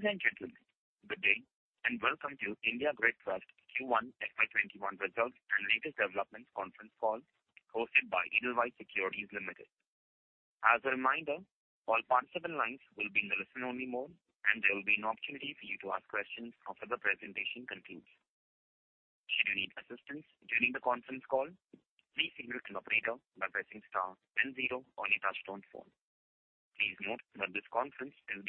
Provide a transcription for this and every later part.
Ladies and gentlemen, good day, and welcome to IndiGrid Trust Q1 FY 2021 Results and Latest Developments Conference Call hosted by Edelweiss Securities Limited. As a reminder, all participant lines will be in the listen-only mode, and there will be an opportunity for you to ask questions after the presentation concludes. Should you need assistance during the conference call, please signal to an operator by pressing star then zero on your touch-tone phone. Please note that this conference is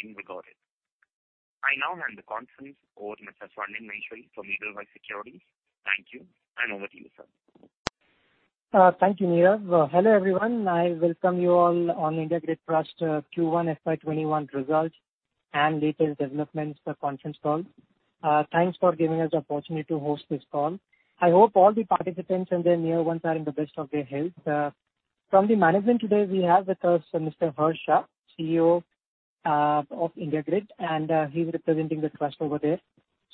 being recorded. I now hand the conference over to Mr. Swarnim Maheshwari from Edelweiss Securities. Thank you, and over to you, Sir. Thank you, Neeraj. Hello, everyone. I welcome you all on IndiGrid Trust Q1 FY 2021 Results and Latest Developments Conference Call. Thanks for giving us the opportunity to host this call. I hope all the participants and their near ones are in the best of their health. From the management today, we have with us Mr. Harsh Shah, CEO of IndiGrid, and he's representing the trust over there.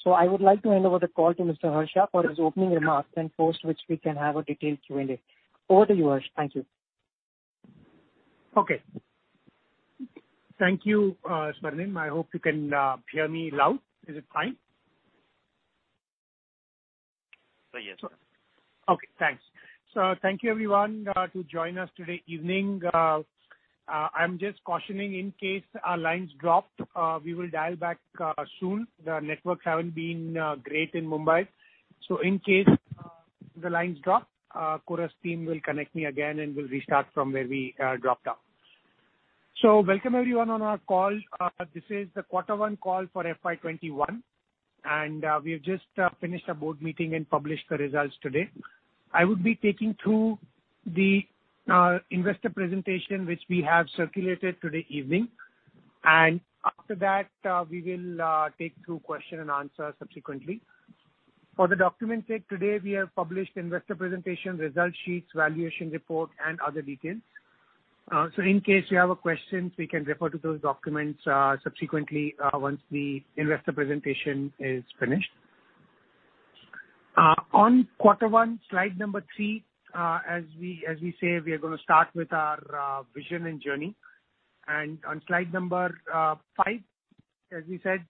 I would like to hand over the call to Mr. Harsh Shah for his opening remarks, and post which we can have a detailed Q&A. Over to you, Harsh. Thank you. Okay. Thank you, Swarnim. I hope you can hear me loud. Is it fine? Yes, sir. Okay, thanks. Thank you, everyone, to join us today evening. I'm just cautioning in case our lines dropped, we will dial back soon. The networks haven't been great in Mumbai, so in case the lines drop, Chorus team will connect me again, and we'll restart from where we dropped off. Welcome, everyone, on our call. This is the quarter one call for FY 2021, and we've just finished a board meeting and published the results today. I would be taking through the investor presentation, which we have circulated today evening, and after that, we will take through question and answer subsequently. For the document sake today, we have published investor presentation, result sheets, valuation report, and other details. In case you have a question, we can refer to those documents subsequently once the investor presentation is finished. On quarter one, slide number three, as we say, we are going to start with our vision and journey. On slide number five, as we said,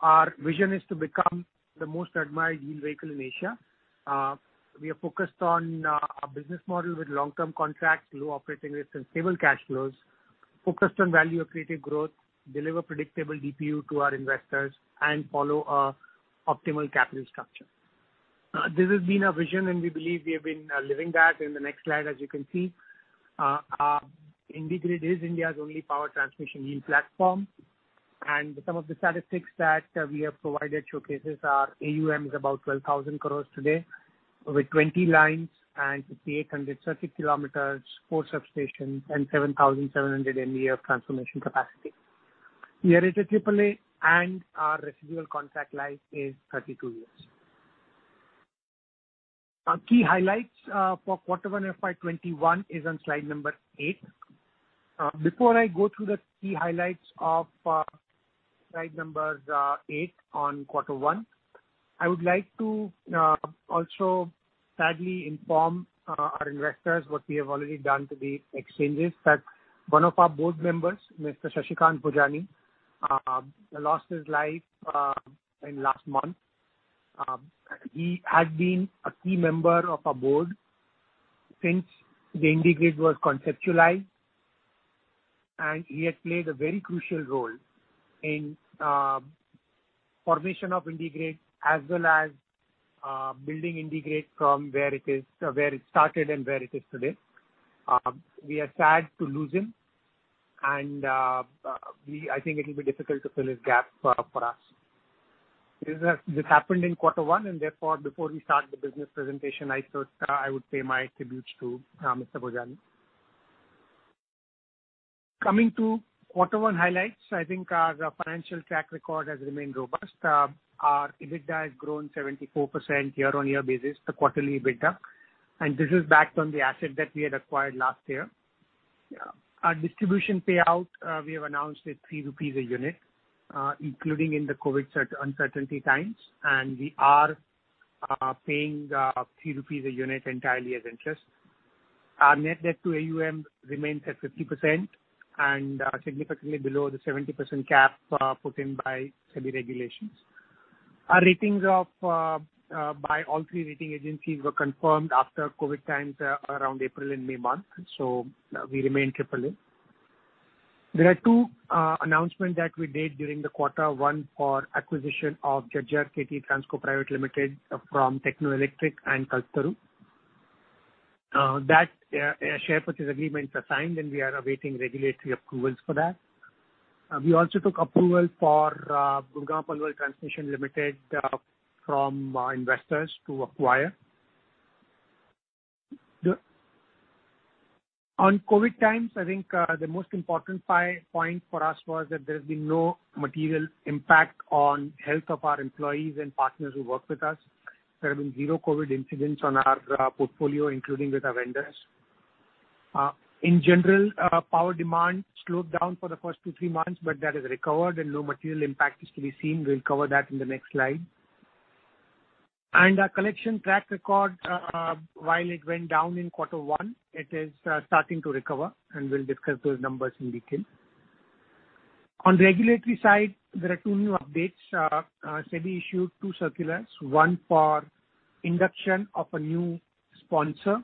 our vision is to become the most admired yield vehicle in Asia. We are focused on a business model with long-term contracts, low operating risks, and stable cash flows, focused on value accretive growth, deliver predictable DPU to our investors, and follow optimal capital structure. This has been our vision, and we believe we have been living that. In the next slide, as you can see, IndiGrid is India's only power transmission yield platform. Some of the statistics that we have provided showcases our AUM is about 12,000 crore today with 20 lines and 5,800 circuit km, four substations, and 7,700 MVA of transformation capacity. We are rated AAA, and our residual contract life is 32 years. Our key highlights for Q1 FY 2021 is on slide number eight. Before I go through the key highlights of slide number eight on Q1, I would like to also sadly inform our investors what we have already done to the exchanges, that one of our board members, Mr. Shashikant Bhojani, lost his life in last month. He had been a key member of our board since the IndiGrid was conceptualized, and he had played a very crucial role in formation of IndiGrid, as well as building IndiGrid from where it started and where it is today. We are sad to lose him, and I think it will be difficult to fill his gap for us. This happened in Q1, and therefore, before we start the business presentation, I thought I would pay my tributes to Mr. Bhojani. Coming to Q1 highlights, I think our financial track record has remained robust. Our EBITDA has grown 74% year-on-year basis, the quarterly EBITDA, and this is backed on the asset that we had acquired last year. Our distribution payout, we have announced is 3 rupees a unit, including in the COVID uncertainty times, and we are paying 3 rupees a unit entirely as interest. Our net debt to AUM remains at 50% and significantly below the 70% cap put in by SEBI regulations. Our ratings by all three rating agencies were confirmed after COVID times around April and May month, so we remain AAA. There are two announcements that we did during the Q1 for acquisition of Jhajjar KT Transco Private Limited from Techno Electric & Engineering Company Ltd and Kalpataru Power Transmission. That share purchase agreement is assigned, and we are awaiting regulatory approvals for that. We also took approval for Gurgaon Palwal Transmission Limited from investors to acquire. On COVID times, I think the most important point for us was that there's been no material impact on health of our employees and partners who work with us. There have been zero COVID incidents on our portfolio, including with our vendors. In general, power demand slowed down for the first two to three months. That has recovered and no material impact is to be seen. We'll cover that in the next slide. Our collection track record, while it went down in quarter one, it is starting to recover. We'll discuss those numbers in detail. On the regulatory side, there are two new updates. SEBI issued two circulars, one for induction of a new sponsor,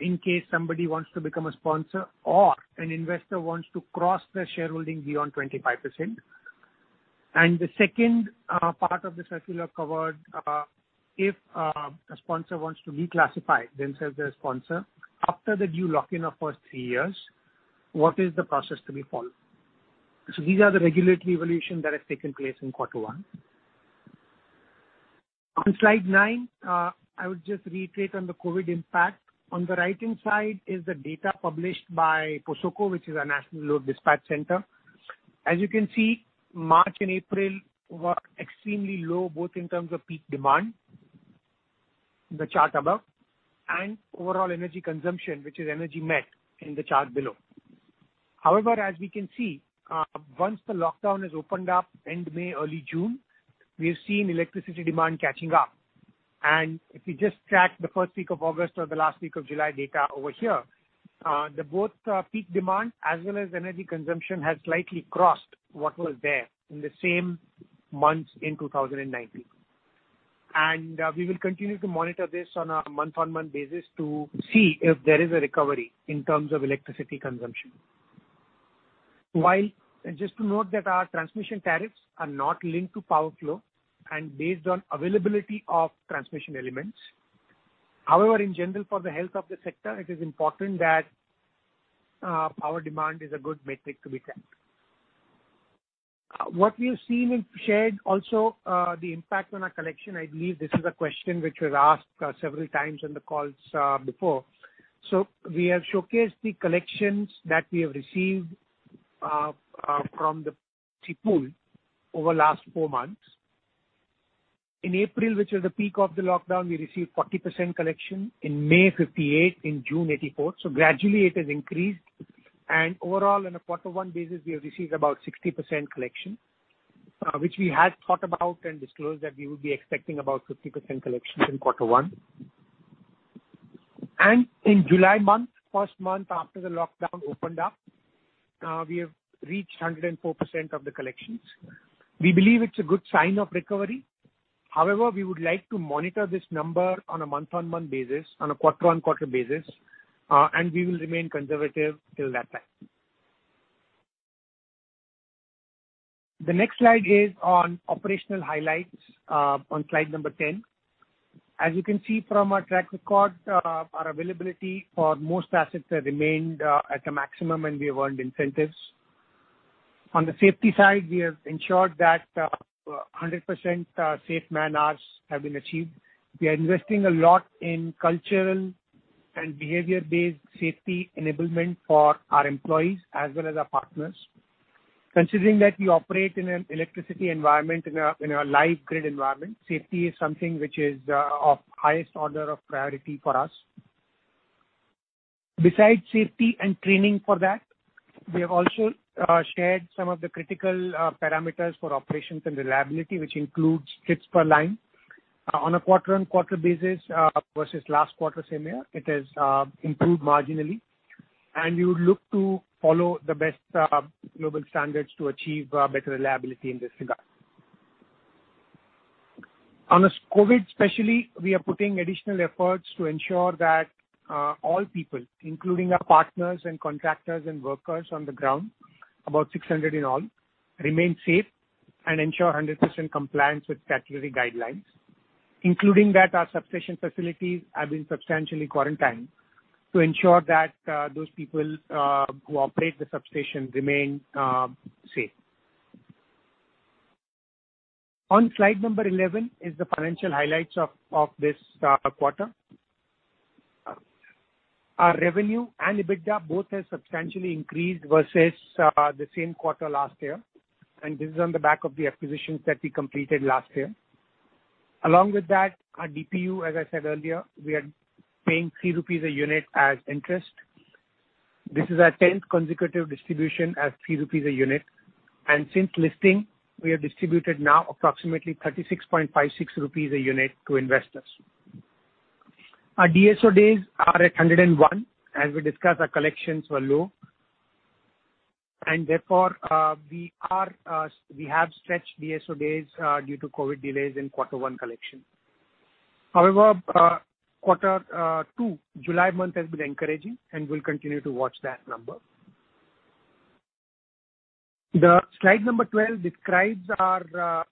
in case somebody wants to become a sponsor or an investor wants to cross their shareholding beyond 25%. The second part of the circular covered if a sponsor wants to declassify themselves as a sponsor after the due lock-in of first three years, what is the process to be followed? These are the regulatory evolution that has taken place in quarter one. On slide nine, I would just reiterate on the COVID impact. On the right-hand side is the data published by POSOCO, which is our national load dispatch center. As you can see, March and April were extremely low, both in terms of peak demand, the chart above, and overall energy consumption, which is energy met in the chart below. As we can see, once the lockdown is opened up end May, early June, we have seen electricity demand catching up. If you just track the first week of August or the last week of July data over here, both peak demand as well as energy consumption has slightly crossed what was there in the same months in 2019. We will continue to monitor this on a month-on-month basis to see if there is a recovery in terms of electricity consumption. Just to note that our transmission tariffs are not linked to power flow and based on availability of transmission elements. However, in general, for the health of the sector, it is important that power demand is a good metric to be tracked. What we have seen and shared also, the impact on our collection, I believe this is a question which was asked several times on the calls before. We have showcased the collections that we have received from the pool over the last four months. In April, which was the peak of the lockdown, we received 40% collection. In May, 58%, in June, 84%. Gradually it has increased, and overall, in a quarter-one basis, we have received about 60% collection, which we had thought about and disclosed that we would be expecting about 50% collection in quarter one. In July month, first month after the lockdown opened up, we have reached 104% of the collections. We believe it's a good sign of recovery. However, we would like to monitor this number on a month-on-month basis, on a quarter-on-quarter basis, and we will remain conservative till that time. The next slide is on operational highlights, on slide number 10. As you can see from our track record, our availability for most assets have remained at a maximum, and we have earned incentives. On the safety side, we have ensured that 100% safe man-hours have been achieved. We are investing a lot in cultural and behavior-based safety enablement for our employees as well as our partners. Considering that we operate in an electricity environment, in a live grid environment, safety is something which is of highest order of priority for us. Besides safety and training for that, we have also shared some of the critical parameters for operations and reliability, which includes trips per line. On a quarter-on-quarter basis versus last quarter same year, it has improved marginally, and we would look to follow the best global standards to achieve better reliability in this regard. On COVID especially, we are putting additional efforts to ensure that all people, including our partners and contractors and workers on the ground, about 600 in all, remain safe and ensure 100% compliance with statutory guidelines, including that our substation facilities have been substantially quarantined to ensure that those people who operate the substation remain safe. On slide number 11 is the financial highlights of this quarter. Our revenue and EBITDA both have substantially increased versus the same quarter last year. This is on the back of the acquisitions that we completed last year. Along with that, our DPU, as I said earlier, we are paying 3 rupees a unit as interest. This is our 10th consecutive distribution as 3 rupees a unit. Since listing, we have distributed now approximately 36.56 rupees a unit to investors. Our DSO days are at 101. As we discussed, our collections were low, therefore, we have stretched DSO days due to COVID delays in quarter one collection. Quarter two, July month has been encouraging, we'll continue to watch that number. The slide number 12 describes our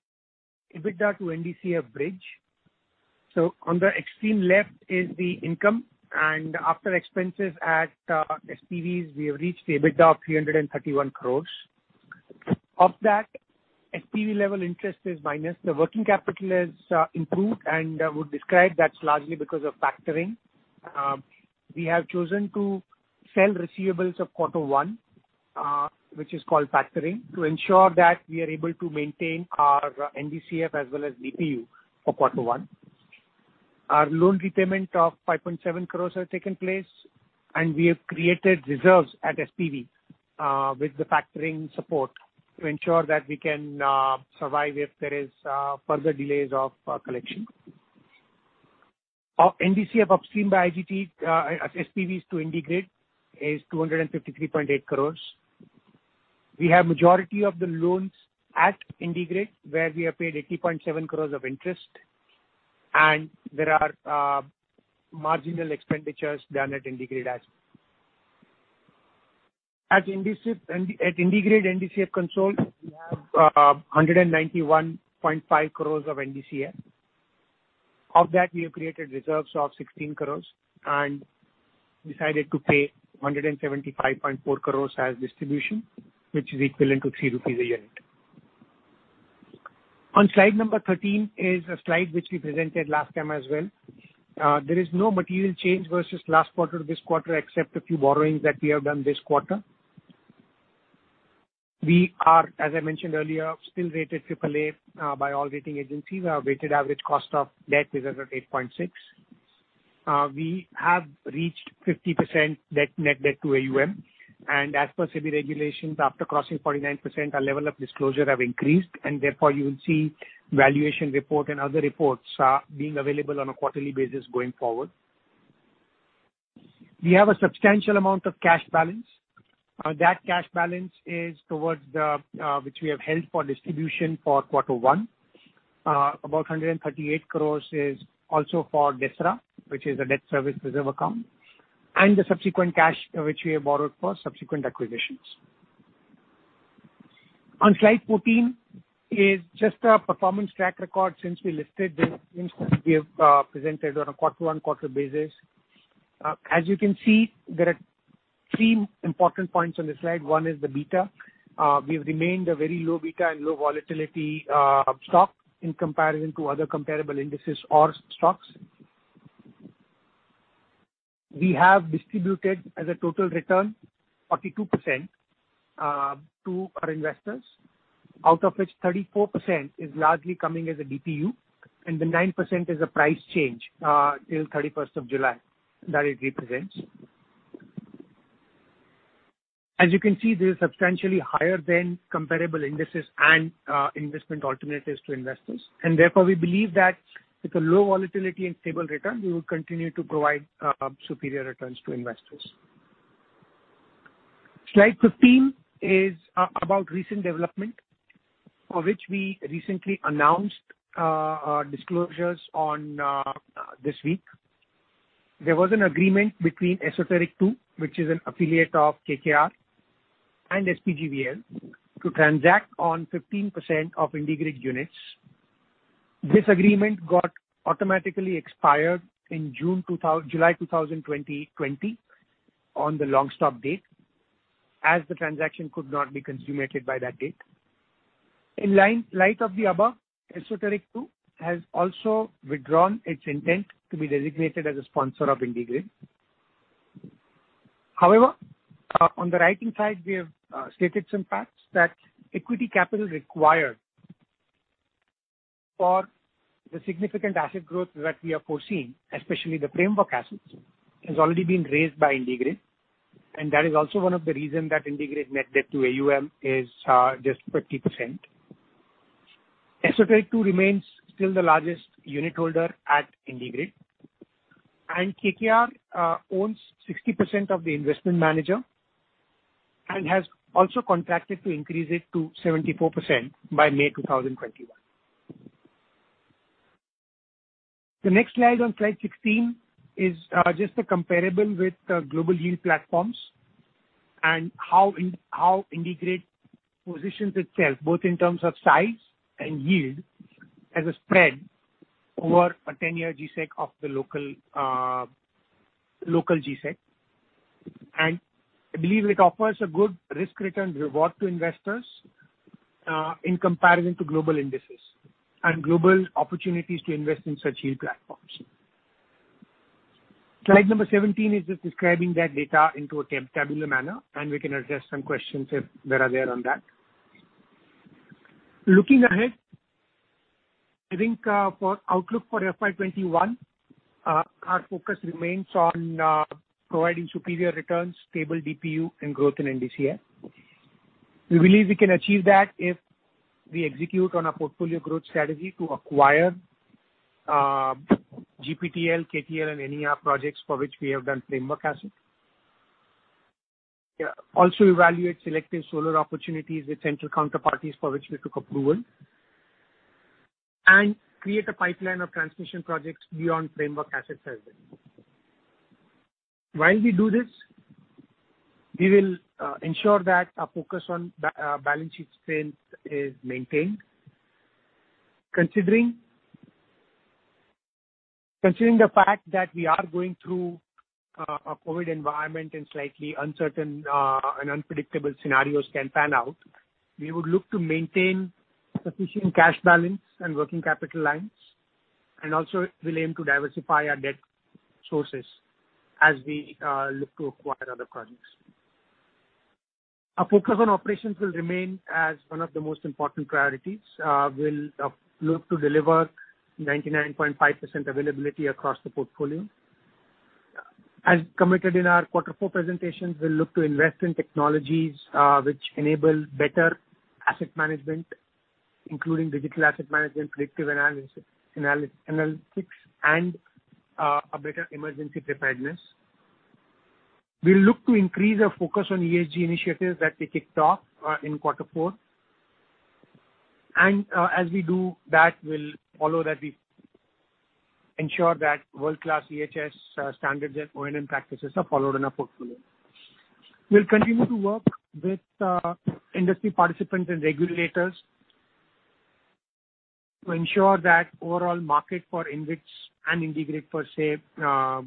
EBITDA to NDCF bridge. On the extreme left is the income, after expenses at SPVs, we have reached the EBITDA of 331 crores. Of that, SPV level interest is minus. The working capital has improved, I would describe that's largely because of factoring. We have chosen to sell receivables of quarter one, which is called factoring, to ensure that we are able to maintain our NDCF as well as DPU for quarter one. Our loan repayment of 5.7 crores has taken place, and we have created reserves at SPV with the factoring support to ensure that we can survive if there is further delays of collection. Our NDCF upstream by IGT at SPVs to IndiGrid is 253.8 crores. We have majority of the loans at IndiGrid where we have paid 80.7 crores of interest, and there are marginal expenditures done at IndiGrid. At IndiGrid NDCF consol, we have 191.5 crores of NDCF. Of that, we have created reserves of 16 crores and decided to pay 175.4 crores as distribution, which is equivalent to 3 rupees a unit. On slide number 13 is a slide which we presented last time as well. There is no material change versus last quarter to this quarter, except a few borrowings that we have done this quarter. We are, as I mentioned earlier, still rated AAA by all rating agencies. Our weighted average cost of debt is at 8.6%. We have reached 50% net debt to AUM, and as per SEBI regulations, after crossing 49%, our level of disclosure have increased and therefore you will see valuation report and other reports are being available on a quarterly basis going forward. We have a substantial amount of cash balance. That cash balance is towards the, which we have held for distribution for quarter one. About 138 crores is also for DSRA, which is a debt service reserve account, and the subsequent cash which we have borrowed for subsequent acquisitions. On slide 14 is just a performance track record since we listed this, we have presented on a quarter-on-quarter basis. There are three important points on the slide. One is the beta. We've remained a very low beta and low volatility stock in comparison to other comparable indices or stocks. We have distributed as a total return, 42% to our investors. Out of which 34% is largely coming as a DPU, and the 9% is a price change, till July 31st that it represents. This is substantially higher than comparable indices and investment alternatives to investors. We believe that with a low volatility and stable return, we will continue to provide superior returns to investors. Slide 15 is about recent development, for which we recently announced our disclosures on this week. There was an agreement between Esoteric II, which is an affiliate of KKR and SPGVL to transact on 15% of IndiGrid units. This agreement got automatically expired in July 2020 on the long-stop date, as the transaction could not be consummated by that date. In light of the above, Esoteric II has also withdrawn its intent to be designated as a sponsor of IndiGrid. On the right-hand side, we have stated some facts that equity capital required for the significant asset growth that we are foreseeing, especially the framework assets, has already been raised by IndiGrid, and that is also one of the reason that IndiGrid net debt to AUM is just 50%. Esoteric II remains still the largest unit holder at IndiGrid, and KKR owns 60% of the investment manager and has also contracted to increase it to 74% by May 2021. The next slide, on slide 16, is just a comparable with the global yield platforms and how IndiGrid positions itself, both in terms of size and yield as a spread over a 10-year G-Sec of the local G-Sec. I believe it offers a good risk-return reward to investors, in comparison to global indices and global opportunities to invest in such yield platforms. Slide number 17 is just describing that data into a tabular manner, and we can address some questions if there are there on that. Looking ahead, I think for outlook for FY 2021, our focus remains on providing superior returns, stable DPU, and growth in NDCF. We believe we can achieve that if we execute on our portfolio growth strategy to acquire GPTL, KTL, and NER projects for which we have done framework assets. Also evaluate selective solar opportunities with central counterparties for which we took approval. Create a pipeline of transmission projects beyond framework assets as well. While we do this, we will ensure that our focus on balance sheet strength is maintained. Considering the fact that we are going through a Covid environment and slightly uncertain, and unpredictable scenarios can pan out, we would look to maintain sufficient cash balance and working capital lines, and also we'll aim to diversify our debt sources as we look to acquire other projects. Our focus on operations will remain as one of the most important priorities. We'll look to deliver 99.5% availability across the portfolio. As committed in our Quarter Four presentation, we'll look to invest in technologies which enable better asset management, including digital asset management, predictive analytics, and a better emergency preparedness. We'll look to increase our focus on ESG initiatives that we kicked off in Quarter Four. As we do that, we'll follow that we ensure that world-class EHS standards and O&M practices are followed in our portfolio. We'll continue to work with industry participants and regulators to ensure that overall market for InvITs and IndiGrid per se,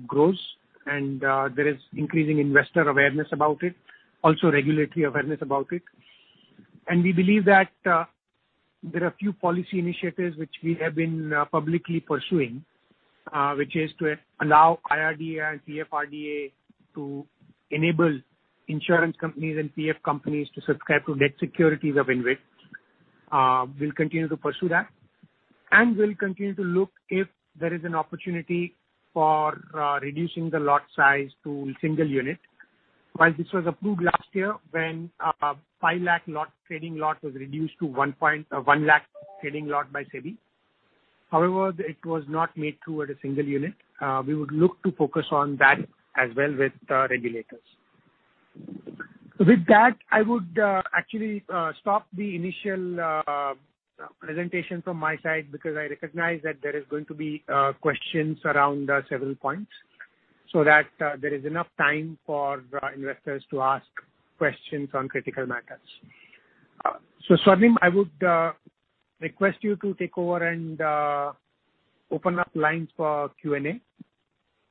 grows and there is increasing investor awareness about it, also regulatory awareness about it. We believe that there are a few policy initiatives which we have been publicly pursuing, which is to allow IRDAI and PFRDA to enable insurance companies and PF companies to subscribe to debt securities of InvIT. We'll continue to pursue that, and we'll continue to look if there is an opportunity for reducing the lot size to a single unit. While this was approved last year when 5 lakh lot trading lot was reduced to 1 lakh trading lot by SEBI. However, it was not made toward a single unit. We would look to focus on that as well with the regulators. I would actually stop the initial presentation from my side because I recognize that there is going to be questions around several points so that there is enough time for investors to ask questions on critical matters. Swarnim, I would request you to take over and open up lines for Q&A.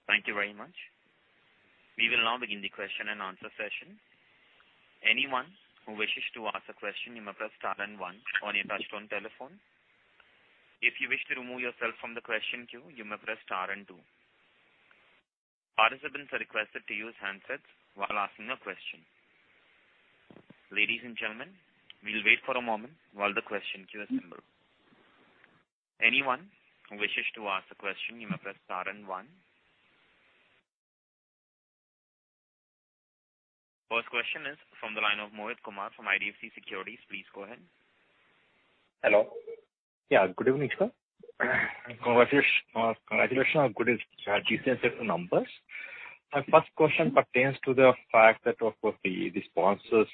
Thank you very much. We will now begin the question and answer session. Anyone who wishes to ask a question, you may press star and one on your touch-tone telephone. If you wish to remove yourself from the question queue, you may press star and two. Participants are requested to use handsets while asking a question. Ladies and gentlemen, we'll wait for a moment while the question queue assembles. Anyone who wishes to ask a question, you may press star and one. First question is from the line of Mohit Kumar from IDFC Securities. Please go ahead. Hello. Yeah, good evening, sir. Congratulations on good numbers. My first question pertains to the fact that, of course, the sponsor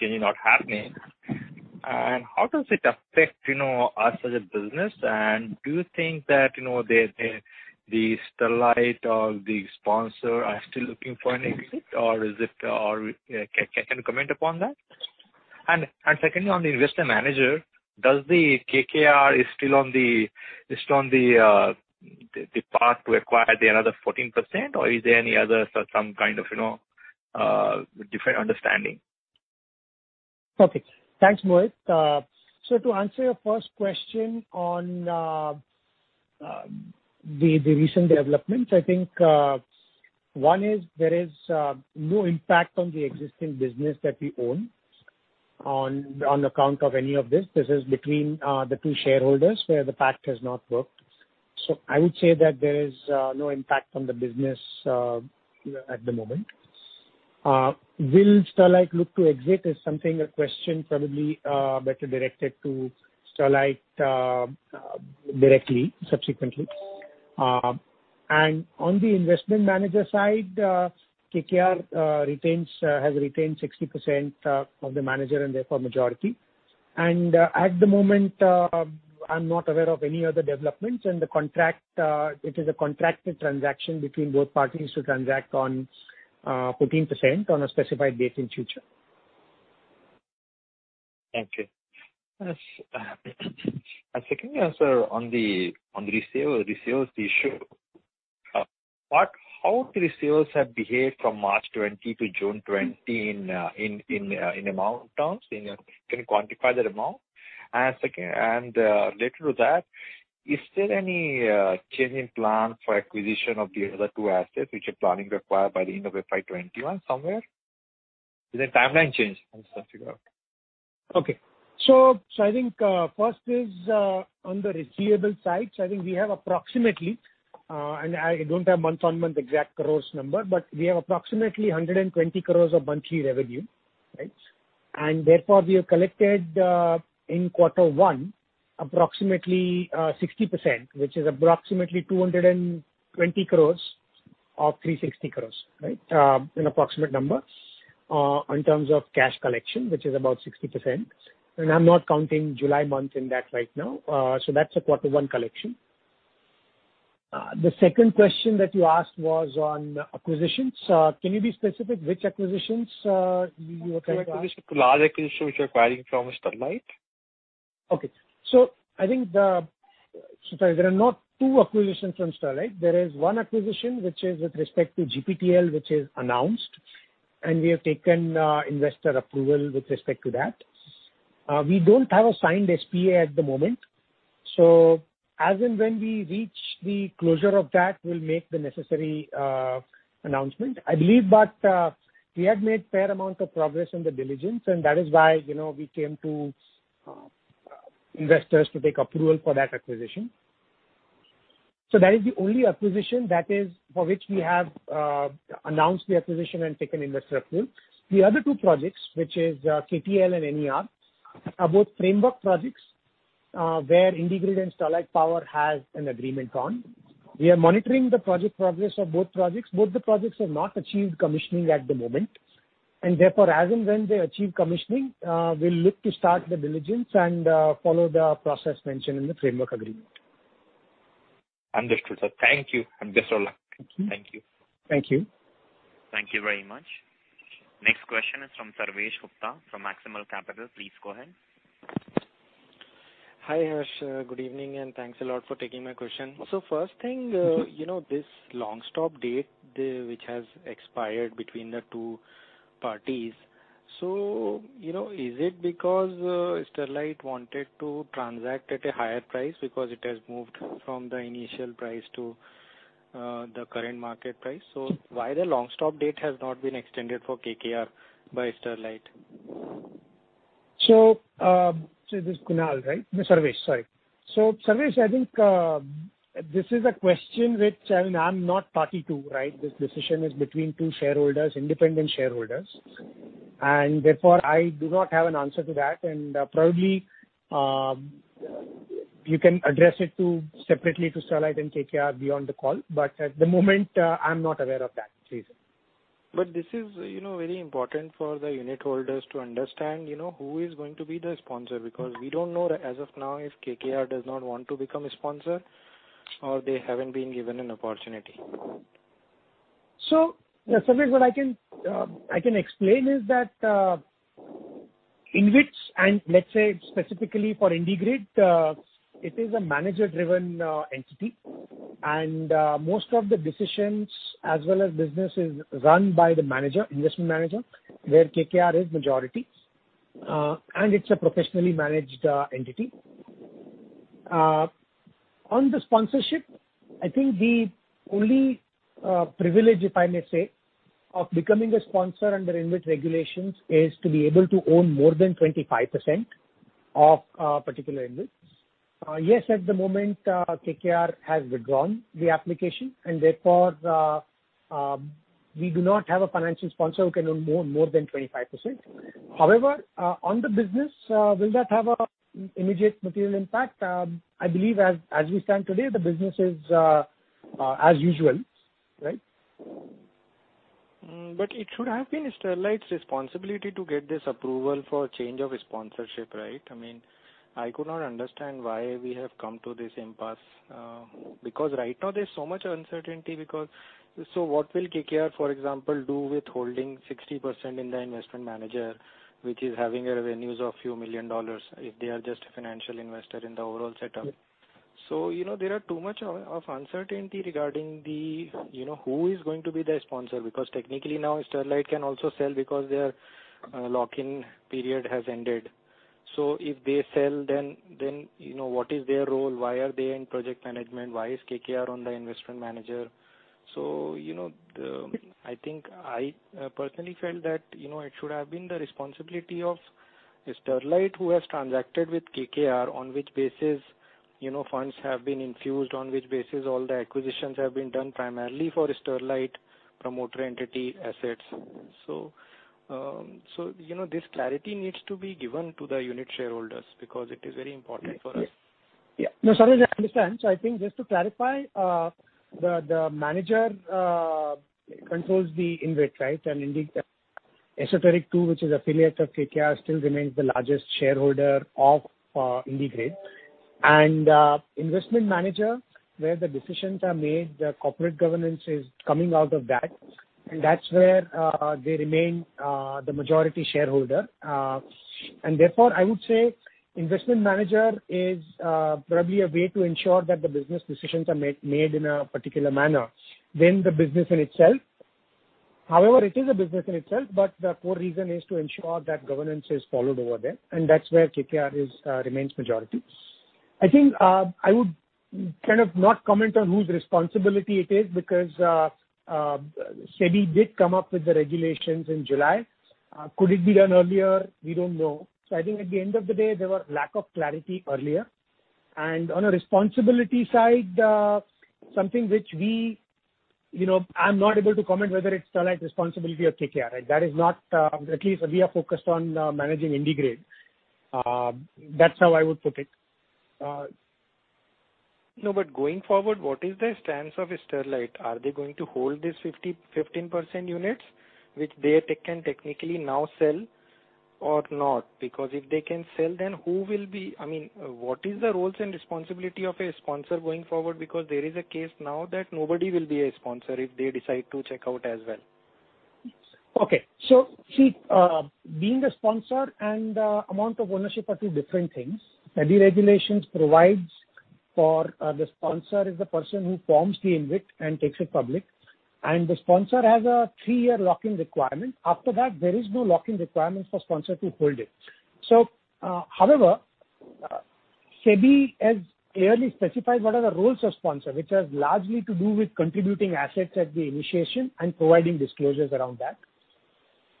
change is not happening. How does it affect us as a business? Do you think that the Sterlite or the sponsor are still looking for an exit? Can you comment upon that? Secondly, on the investor manager, does KKR is still on the path to acquire the another 14%, or is there any other some kind of different understanding? Okay. Thanks, Mohit. To answer your first question on the recent developments, I think one is there is no impact on the existing business that we own on account of any of this. This is between the two shareholders where the pact has not worked. I would say that there is no impact on the business at the moment. Will Sterlite look to exit is something, a question probably better directed to Sterlite directly, subsequently. On the investment manager side, KKR has retained 60% of the manager and therefore, majority. At the moment, I'm not aware of any other developments. It is a contracted transaction between both parties to transact on 14% on a specified date in future. Thank you. Second answer on the receivables issue. How the receivables have behaved from March 2020 to June 2020 in amount terms? Can you quantify that amount? Related to that, is there any change in plan for acquisition of the other two assets which you're planning to acquire by the end of FY 2021 somewhere? Has their timeline changed? I'm just trying to figure out. Okay. I think first is on the receivable side. I think we have approximately, and I don't have month-on-month exact crores number, but we have approximately 120 crore of monthly revenue. Right. Therefore, we have collected, in Quarter One, approximately 60%, which is approximately 220 crore of 360 crore. Right. An approximate number in terms of cash collection, which is about 60%. I'm not counting July month in that right now. That's a Quarter One collection. The second question that you asked was on acquisitions. Can you be specific which acquisitions you were trying to ask? Large acquisition which you're acquiring from Sterlite. Okay. Sorry, there are not two acquisitions from Sterlite. There is one acquisition which is with respect to GPTL, which is announced, and we have taken investor approval with respect to that. We don't have a signed SPA at the moment. As and when we reach the closure of that, we'll make the necessary announcement. I believe we had made a fair amount of progress on the diligence, and that is why we came to investors to take approval for that acquisition. That is the only acquisition for which we have announced the acquisition and taken investor approval. The other two projects, which is KTL and NER, are both framework projects where IndiGrid and Sterlite Power has an agreement on. We are monitoring the project progress of both projects. Both the projects have not achieved commissioning at the moment, and therefore, as and when they achieve commissioning, we'll look to start the diligence and follow the process mentioned in the framework agreement. Understood, sir. Thank you. Best of luck. Thank you. Thank you. Thank you very much. Next question is from Sarvesh Gupta from Maximal Capital. Please go ahead. Hi, Harsh. Good evening, thanks a lot for taking my question. First thing, this long-stop date which has expired between the two parties. Is it because Sterlite wanted to transact at a higher price because it has moved from the initial price to the current market price? Why the long-stop date has not been extended for KKR by Sterlite? This is Kunal, right? Sarvesh, sorry. Sarvesh, I think this is a question which I'm not party to, right? This decision is between two shareholders, independent shareholders, and therefore, I do not have an answer to that, and probably, you can address it separately to Sterlite and KKR beyond the call, but at the moment, I'm not aware of that reason. This is very important for the unit holders to understand who is going to be the sponsor, because we don't know as of now if KKR does not want to become a sponsor or they haven't been given an opportunity. Sarvesh, what I can explain is that InvITs, and let's say specifically for IndiGrid, it is a manager-driven entity, and most of the decisions as well as business is run by the investment manager, where KKR is majority. It's a professionally managed entity. On the sponsorship, I think the only privilege, if I may say, of becoming a sponsor under InvIT regulations is to be able to own more than 25% of a particular InvIT. Yes, at the moment, KKR has withdrawn the application, and therefore, we do not have a financial sponsor who can own more than 25%. However, on the business, will that have an immediate material impact? I believe as we stand today, the business is as usual. Right? It should have been Sterlite's responsibility to get this approval for change of sponsorship, right? I could not understand why we have come to this impasse. Right now there's so much uncertainty because what will KKR, for example, do with holding 60% in the investment manager, which is having revenues of few million dollars if they are just a financial investor in the overall setup? There are too much of uncertainty regarding who is going to be their sponsor, because technically now Sterlite can also sell because their lock-in period has ended. If they sell, then what is their role? Why are they in project management? Why is KKR on the investment manager? I think I personally felt that it should have been the responsibility of Sterlite who has transacted with KKR, on which basis funds have been infused, on which basis all the acquisitions have been done primarily for Sterlite promoter entity assets. This clarity needs to be given to the unit shareholders because it is very important for us. Yeah. No, Sarvesh, I understand. I think just to clarify, the manager controls the InvIT, right? Esoteric II, which is affiliate of KKR, still remains the largest shareholder of IndiGrid. Investment manager, where the decisions are made, the corporate governance is coming out of that, and that's where they remain the majority shareholder. Therefore, I would say investment manager is probably a way to ensure that the business decisions are made in a particular manner than the business in itself. However, it is a business in itself, but the core reason is to ensure that governance is followed over there, and that's where KKR remains majority. I think, I would kind of not comment on whose responsibility it is because SEBI did come up with the regulations in July. Could it be done earlier? We don't know. I think at the end of the day, there were lack of clarity earlier. On a responsibility side, something which I'm not able to comment whether it's Sterlite's responsibility or KKR. At least we are focused on managing IndiGrid. That's how I would put it. No, going forward, what is the stance of Sterlite? Are they going to hold this 15% units, which they can technically now sell or not? If they can sell, what is the roles and responsibility of a sponsor going forward? There is a case now that nobody will be a sponsor if they decide to check out as well. Okay. See, being the sponsor and amount of ownership are two different things. SEBI regulations provides for the sponsor is the person who forms the index and takes it public, and the sponsor has a three-year locking requirement. After that, there is no locking requirements for sponsor to hold it. However, SEBI has clearly specified what are the roles of sponsor, which has largely to do with contributing assets at the initiation and providing disclosures around that.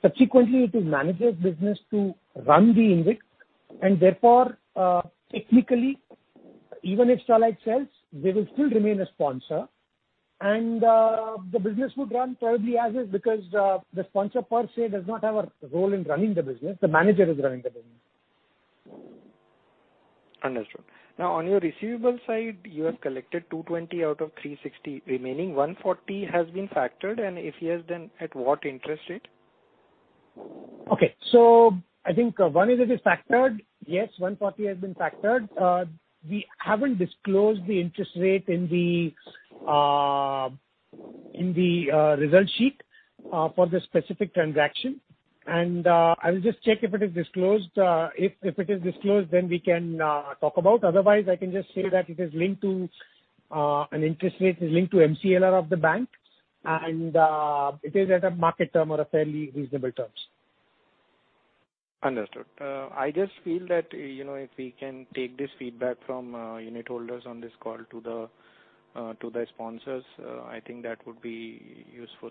Subsequently, it is manager's business to run the index and therefore, technically, even if Sterlite sells, they will still remain a sponsor and the business would run probably as is because the sponsor per se does not have a role in running the business. The manager is running the business. Understood. On your receivable side, you have collected 220 out of 360. Remaining 140 has been factored, and if yes, then at what interest rate? Okay. I think one is it is factored. Yes, 140 has been factored. We haven't disclosed the interest rate in the result sheet for the specific transaction. I will just check if it is disclosed. If it is disclosed, then we can talk about. Otherwise, I can just say that an interest rate is linked to MCLR of the bank, and it is at a market term or a fairly reasonable terms. Understood. I just feel that if we can take this feedback from unitholders on this call to the sponsors, I think that would be useful.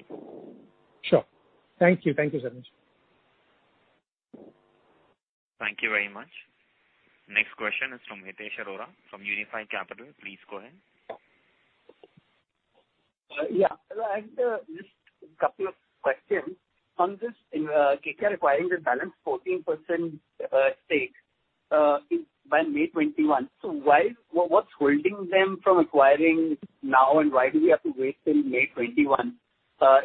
Sure. Thank you. Thank you so much. Thank you very much. Next question is from Hitesh Arora from Unifi Capital. Please go ahead. Yeah. Just a couple of questions. On this, KKR acquiring the balance 14% stake by May 2021. What's holding them from acquiring now, and why do we have to wait till May 2021?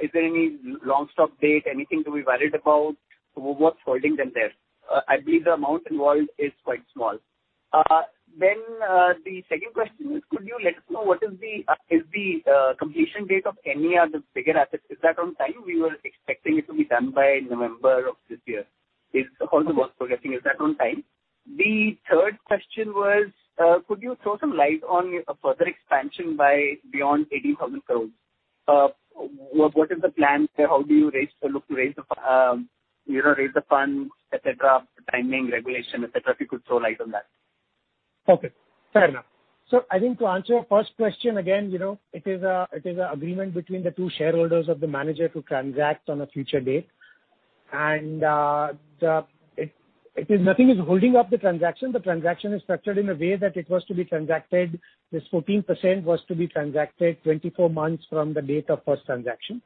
Is there any long stop date, anything to be worried about? What's holding them there? I believe the amount involved is quite small. The second question is, could you let us know is the completion date of any other bigger assets, is that on time? We were expecting it to be done by November of this year. How's the work progressing? Is that on time? The third question was, could you throw some light on a further expansion by beyond 18,000 crore? What is the plan there? How do you look to raise the fund, et cetera, timing, regulation, et cetera, if you could throw light on that. Okay, fair enough. I think to answer your first question again, it is an agreement between the two shareholders of the manager to transact on a future date. Nothing is holding up the transaction. The transaction is structured in a way that it was to be transacted. This 14% was to be transacted 24 months from the date of first transaction,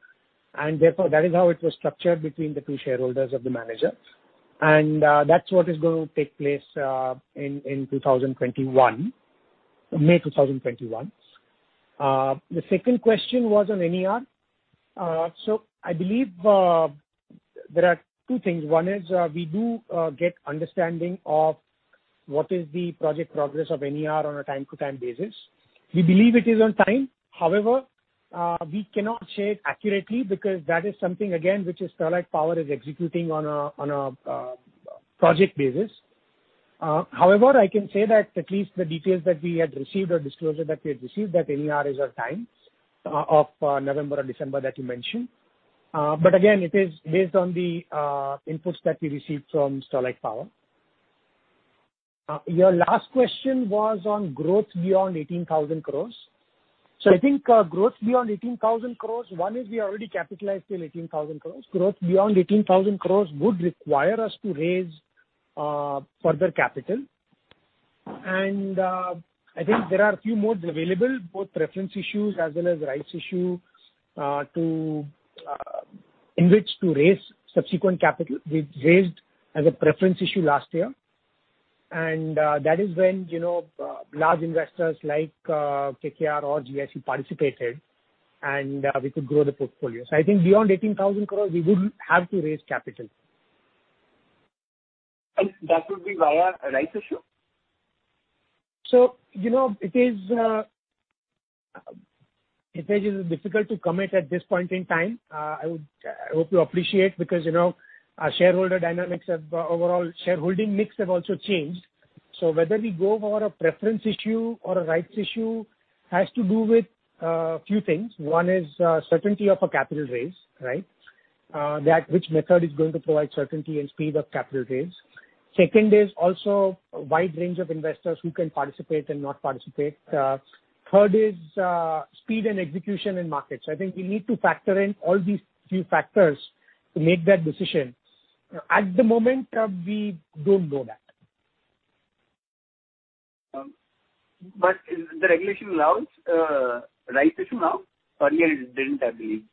and therefore that is how it was structured between the two shareholders of the manager. That's what is going to take place in May 2021. The second question was on NER. I believe there are two things. One is, we do get understanding of what is the project progress of NER on a time-to-time basis. We believe it is on time. However, we cannot say it accurately because that is something, again, which is Sterlite Power is executing on a project basis. However, I can say that at least the details that we had received or disclosure that we had received that NER is on time of November or December that you mentioned. Again, it is based on the inputs that we received from Sterlite Power. Your last question was on growth beyond 18,000 crore. I think growth beyond 18,000 crore, one is we already capitalized till 18,000 crore. Growth beyond 18,000 crore would require us to raise further capital. I think there are a few modes available, both preference issues as well as rights issue in which to raise subsequent capital. We've raised as a preference issue last year. That is when large investors like KKR or GIC participated and we could grow the portfolio. I think beyond 18,000 crore, we would have to raise capital. That would be via rights issue? Hitesh, it is difficult to commit at this point in time. I hope you appreciate because our shareholder dynamics have overall shareholding mix also changed. Whether we go for a preference issue or a rights issue has to do with few things. One is certainty of a capital raise, right? That which method is going to provide certainty and speed of capital raise. Second is also a wide range of investors who can participate and not participate. Third is speed and execution in markets. I think we need to factor in all these few factors to make that decision. At the moment, we don't know that. The regulation allows rights issue now. Earlier it didn't, I believe.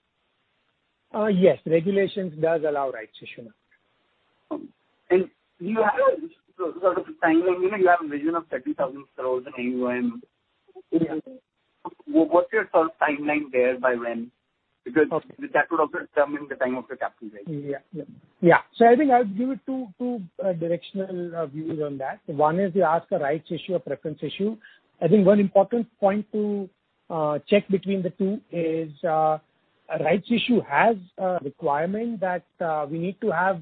Yes, regulations does allow rights issue now. Do you have a timeline? You have a vision of 30,000 crores in AUM. Yeah. What's your sort of timeline there, by when? Because that would also determine the time of the capital raise. I think I'll give it two directional views on that. One is you ask a rights issue or preference issue. I think one important point to check between the two is rights issue has a requirement that we need to have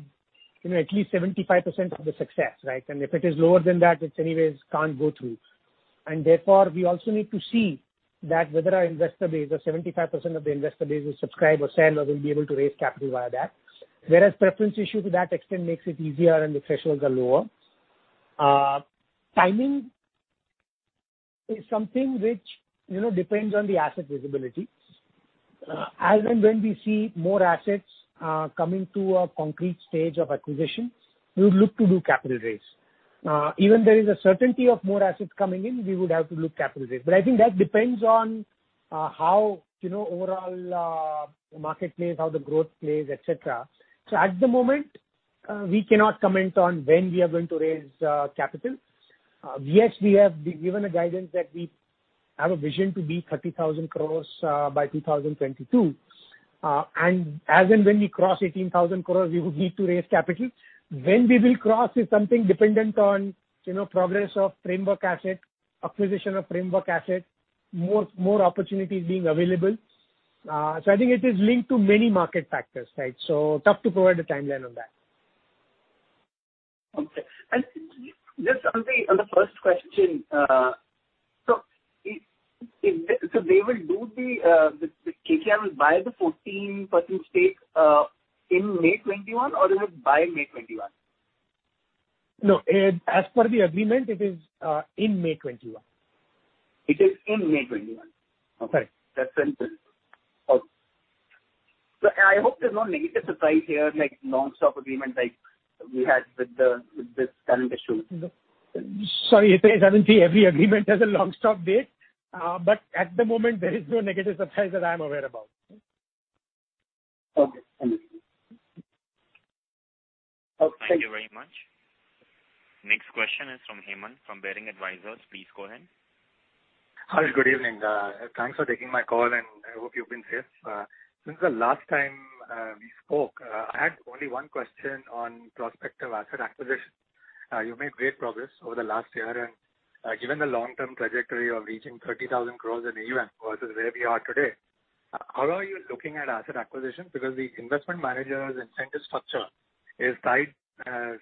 at least 75% of the success, right? If it is lower than that, it anyways can't go through. Therefore, we also need to see that whether our investor base or 75% of the investor base will subscribe or sell or will be able to raise capital via that. Preference issue to that extent makes it easier and the thresholds are lower. Timing is something which depends on the asset visibility. As and when we see more assets coming to a concrete stage of acquisition, we would look to do capital raise. Even there is a certainty of more assets coming in, we would have to look capital raise. I think that depends on how overall market plays, how the growth plays, et cetera. At the moment, we cannot comment on when we are going to raise capital. Yes, we have given a guidance that we have a vision to be 30,000 crore by 2022. As and when we cross 18,000 crore, we would need to raise capital. When we will cross is something dependent on progress of framework asset, acquisition of framework asset, more opportunities being available. I think it is linked to many market factors, right? Tough to provide a timeline on that. Okay. Just on the first question, KKR will buy the 14% stake in May 2021 or they will buy May 2021? No. As per the agreement, it is in May 2021. It is in May 2021. Right. Okay. I hope there's no negative surprise here, like long stop agreement like we had with this current issue. Sorry, Hitesh. I don't see every agreement as a long stop date. At the moment, there is no negative surprise that I am aware about. Okay. Thank you. Okay. Thank you very much. Next question is from Hemant from Baring Advisors. Please go ahead. Hi, good evening. Thanks for taking my call and I hope you've been safe. Since the last time we spoke, I had only one question on prospective asset acquisition. You've made great progress over the last year and given the long-term trajectory of reaching 30,000 crore in AUM versus where we are today, how are you looking at asset acquisitions? The investment manager's incentive structure is tied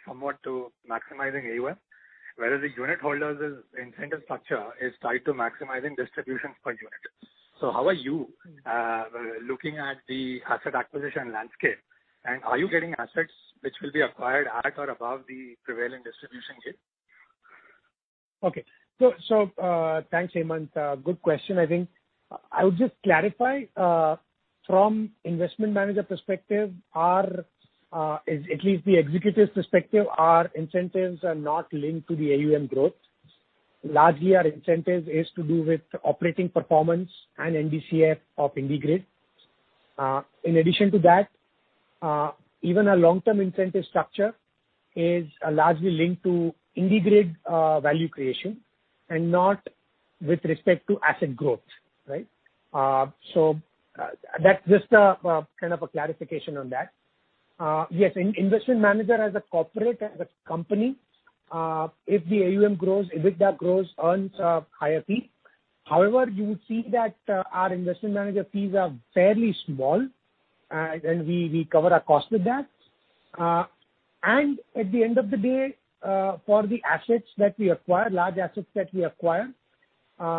somewhat to maximizing AUM, whereas the unit holder's incentive structure is tied to maximizing distributions per unit. How are you looking at the asset acquisition landscape? Are you getting assets which will be acquired at or above the prevailing distribution yield? Okay. Thanks Hemant. Good question. I think I would just clarify, from investment manager perspective or at least the executive's perspective, our incentives are not linked to the AUM growth. Largely our incentives is to do with operating performance and NDCF of IndiGrid. In addition to that, even our long-term incentive structure is largely linked to IndiGrid value creation and not with respect to asset growth, right? That's just a kind of a clarification on that. Yes, investment manager as a corporate, as a company, if the AUM grows, EBITDA grows, earns a higher fee. However, you would see that our investment manager fees are fairly small, and we cover our cost with that. At the end of the day, for the assets that we acquire, large assets that we acquire,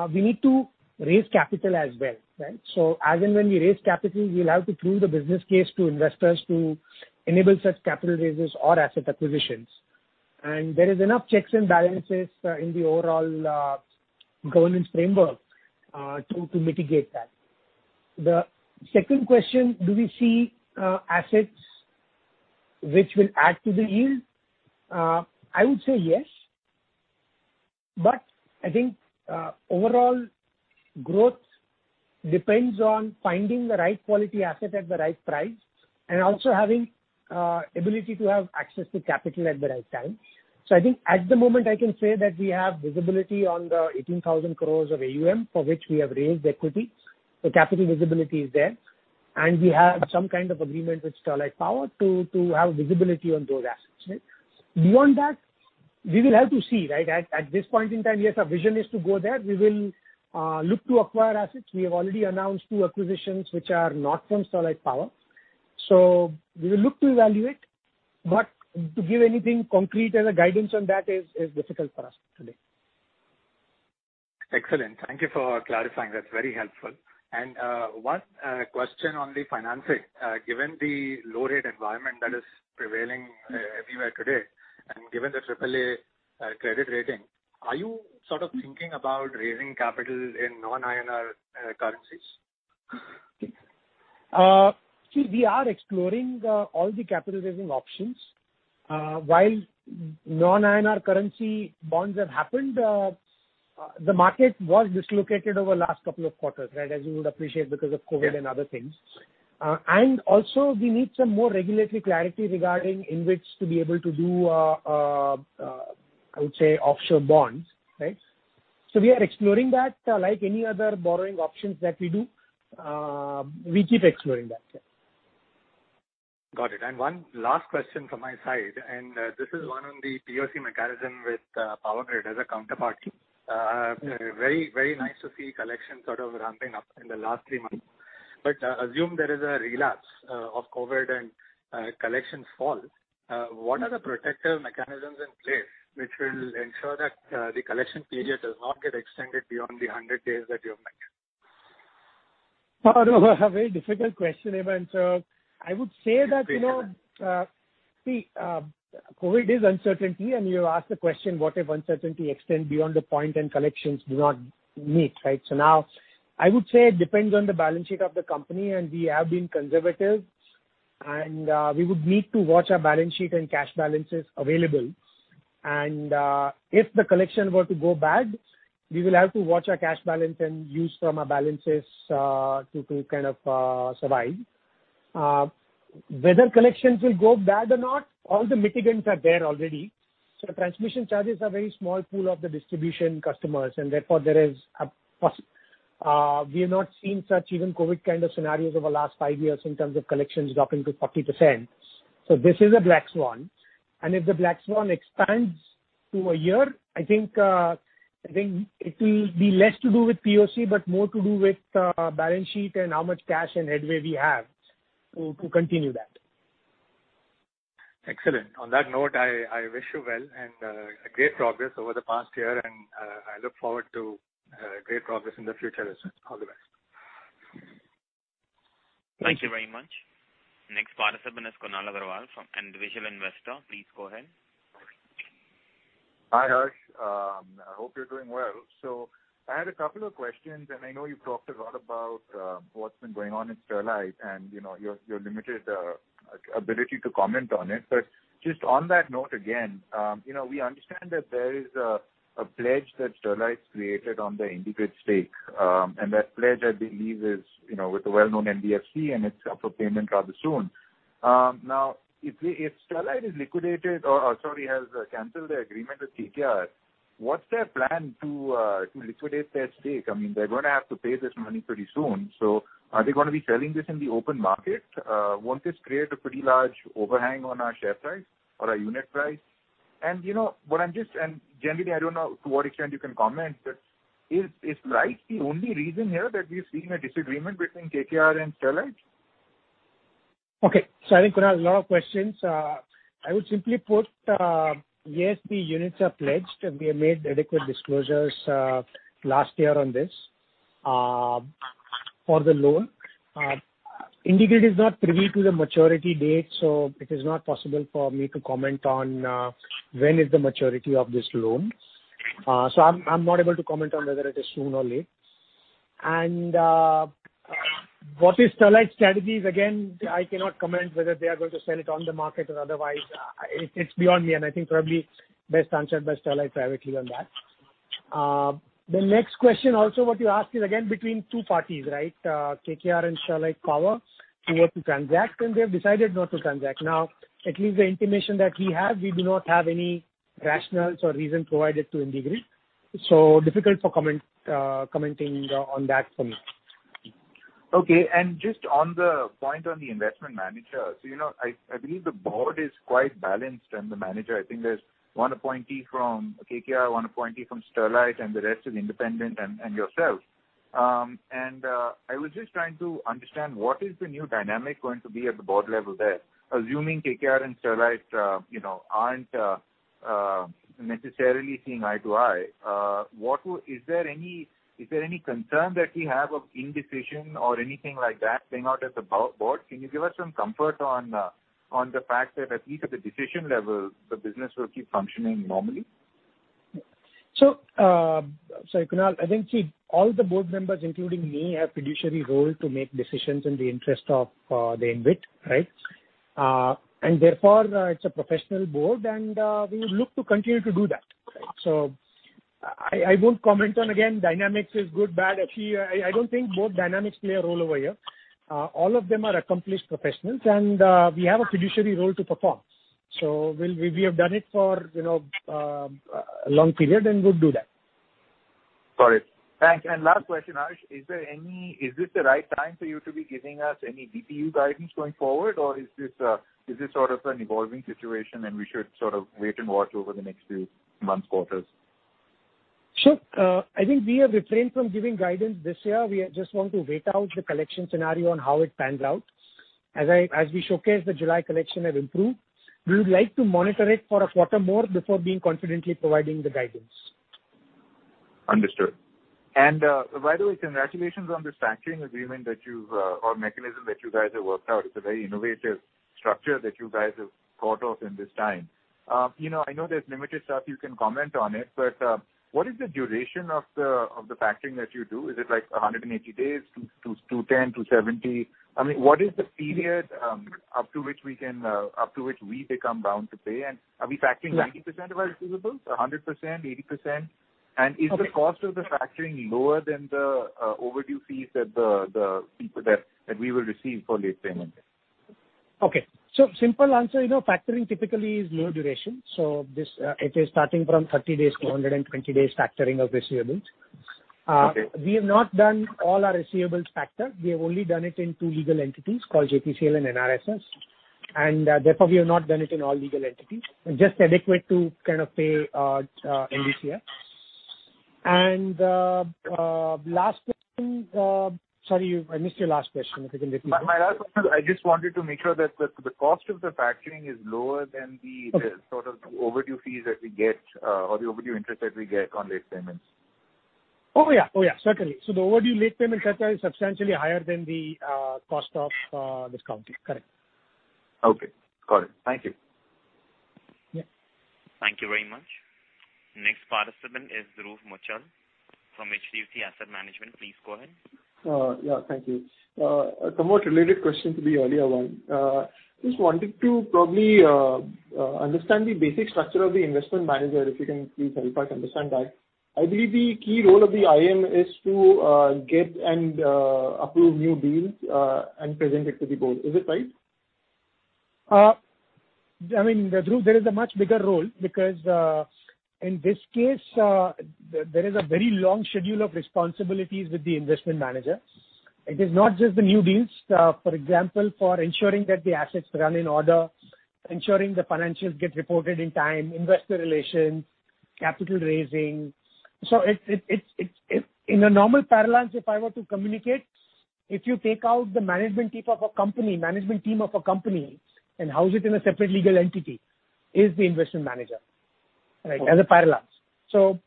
we need to raise capital as well, right? As and when we raise capital, we'll have to prove the business case to investors to enable such capital raises or asset acquisitions. There is enough checks and balances in the overall governance framework to mitigate that. The second question, do we see assets which will add to the yield? I would say yes. I think overall growth depends on finding the right quality asset at the right price and also having ability to have access to capital at the right time. I think at the moment, I can say that we have visibility on the 18,000 crore of AUM for which we have raised equity. Capital visibility is there. We have some kind of agreement with Sterlite Power to have visibility on those assets, right? Beyond that, we will have to see, right? At this point in time, yes, our vision is to go there. We will look to acquire assets. We have already announced two acquisitions which are not from Sterlite Power. We will look to evaluate. To give anything concrete as a guidance on that is difficult for us today. Excellent. Thank you for clarifying. That's very helpful. One question on the financing. Given the low rate environment that is prevailing everywhere today and given the AAA credit rating, are you sort of thinking about raising capital in non-INR currencies? See, we are exploring all the capital-raising options. While non-INR currency bonds have happened, the market was dislocated over last couple of quarters, right? As you would appreciate because of COVID and other things. Also we need some more regulatory clarity regarding in which to be able to do, I would say, offshore bonds, right? We are exploring that. Like any other borrowing options that we do, we keep exploring that. Got it. One last question from my side, this is one on the PoC mechanism with Power Grid as a counterparty. Very nice to see collection sort of ramping up in the last three months. Assume there is a relapse of COVID and collection falls. What are the protective mechanisms in place which will ensure that the collection period does not get extended beyond the 100 days that you have mentioned? A very difficult question even to [inaudible] COVID is uncertainty. You asked the question, what if uncertainty extends beyond the point and collections do not meet, right? Now I would say it depends on the balance sheet of the company, and we have been conservative. We would need to watch our balance sheet and cash balances available. If the collection were to go bad, we will have to watch our cash balance and use from our balances to survive. Whether collections will go bad or not, all the mitigants are there already. Transmission charges are a very small pool of the distribution customers, and therefore we have not seen such even COVID kind of scenarios over the last five years in terms of collections dropping to 40%. This is a black swan, and if the black swan expands to a year, I think it will be less to do with PoC, but more to do with balance sheet and how much cash and headway we have to continue that. Excellent. On that note, I wish you well and great progress over the past year, and I look forward to great progress in the future as well. All the best. Thank you. Thank you very much. Next participant is Kunal Agarwal from Individual Investor. Please go ahead. Hi, Harsh. I hope you're doing well. I had a couple of questions, and I know you've talked a lot about what's been going on in Sterlite and your limited ability to comment on it. Just on that note, again, we understand that there is a pledge that Sterlite created on the IndiGrid stake, and that pledge, I believe, is with a well-known NBFC and it's up for payment rather soon. Now, if Sterlite has canceled their agreement with KKR, what's their plan to liquidate their stake? They're going to have to pay this money pretty soon. Are they going to be selling this in the open market? Won't this create a pretty large overhang on our share price or our unit price? Generally, I don't know to what extent you can comment, but is price the only reason here that we're seeing a disagreement between KKR and Sterlite? Okay. I think, Kunal, a lot of questions. I would simply put, yes, the units are pledged, and we have made adequate disclosures last year on this for the loan. IndiGrid is not privy to the maturity date. It is not possible for me to comment on when is the maturity of this loan. I'm not able to comment on whether it is soon or late. What is Sterlite's strategies? Again, I cannot comment whether they are going to sell it on the market or otherwise. It's beyond me. I think probably best answered by Sterlite privately on that. The next question also, what you ask is again between two parties, right? KKR and Sterlite Power who were to transact. They have decided not to transact. At least the intimation that we have, we do not have any rationales or reason provided to IndiGrid, so difficult for commenting on that for me. Okay. Just on the point on the investment manager. I believe the board is quite balanced, and the manager, I think there's one appointee from KKR, one appointee from Sterlite, and the rest is independent and yourself. I was just trying to understand what is the new dynamic going to be at the board level there, assuming KKR and Sterlite aren't necessarily seeing eye to eye. Is there any concern that we have of indecision or anything like that playing out at the board? Can you give us some comfort on the fact that at least at the decision level, the business will keep functioning normally? Kunal, I think, all the board members, including me, have a fiduciary role to make decisions in the interest of the InvIT, right? Therefore, it's a professional board, and we look to continue to do that. I won't comment on, again, dynamics is good, bad. Actually, I don't think both dynamics play a role over here. All of them are accomplished professionals, and we have a fiduciary role to perform. We have done it for a long period and would do that. Got it. Thanks. Last question, Harsh. Is this the right time for you to be giving us any DPU guidance going forward, or is this sort of an evolving situation and we should sort of wait and watch over the next few months, quarters? Sure. I think we have refrained from giving guidance this year. We just want to wait out the collection scenario on how it pans out. As we showcased, the July collection have improved. We would like to monitor it for a quarter more before being confidently providing the guidance. Understood. By the way, congratulations on this factoring agreement or mechanism that you guys have worked out. It's a very innovative structure that you guys have thought of in this time. I know there's limited stuff you can comment on it, but what is the duration of the factoring that you do? Is it like 180 days, 210, 270? What is the period up to which we become bound to pay? Are we factoring 90% of our receivables, 100%, 80%? Is the cost of the factoring lower than the overdue fees that we will receive for late payment? Okay. Simple answer, factoring typically is low duration. It is starting from 30 days to 120 days factoring of receivables. Okay. We have not done all our receivables factor. We have only done it in two legal entities called JTCL and NRSS. Therefore, we have not done it in all legal entities. Just adequate to pay NDCF. Last question. Sorry, I missed your last question. If you can repeat. My last question, I just wanted to make sure that the cost of the factoring is lower than the-. Okay. Sort of overdue fees that we get or the overdue interest that we get on late payments. Oh, yeah. Certainly. The overdue late payment charge is substantially higher than the cost of discounting. Correct. Okay. Got it. Thank you. Yeah. Thank you very much. Next participant is Dhruv Muchhal from HDFC Asset Management. Please go ahead. Yeah. Thank you. A somewhat related question to the earlier one. Just wanted to probably understand the basic structure of the investment manager, if you can please help us understand that. I believe the key role of the IM is to get and approve new deals, and present it to the board. Is it right? I mean, Dhruv, there is a much bigger role because, in this case, there is a very long schedule of responsibilities with the investment manager. It is not just the new deals. For example, for ensuring that the assets run in order, ensuring the financials get reported in time, investor relations, capital raising. In a normal parallel, if I were to communicate, if you take out the management team of a company and house it in a separate legal entity, is the investment manager. Right? As a parallel.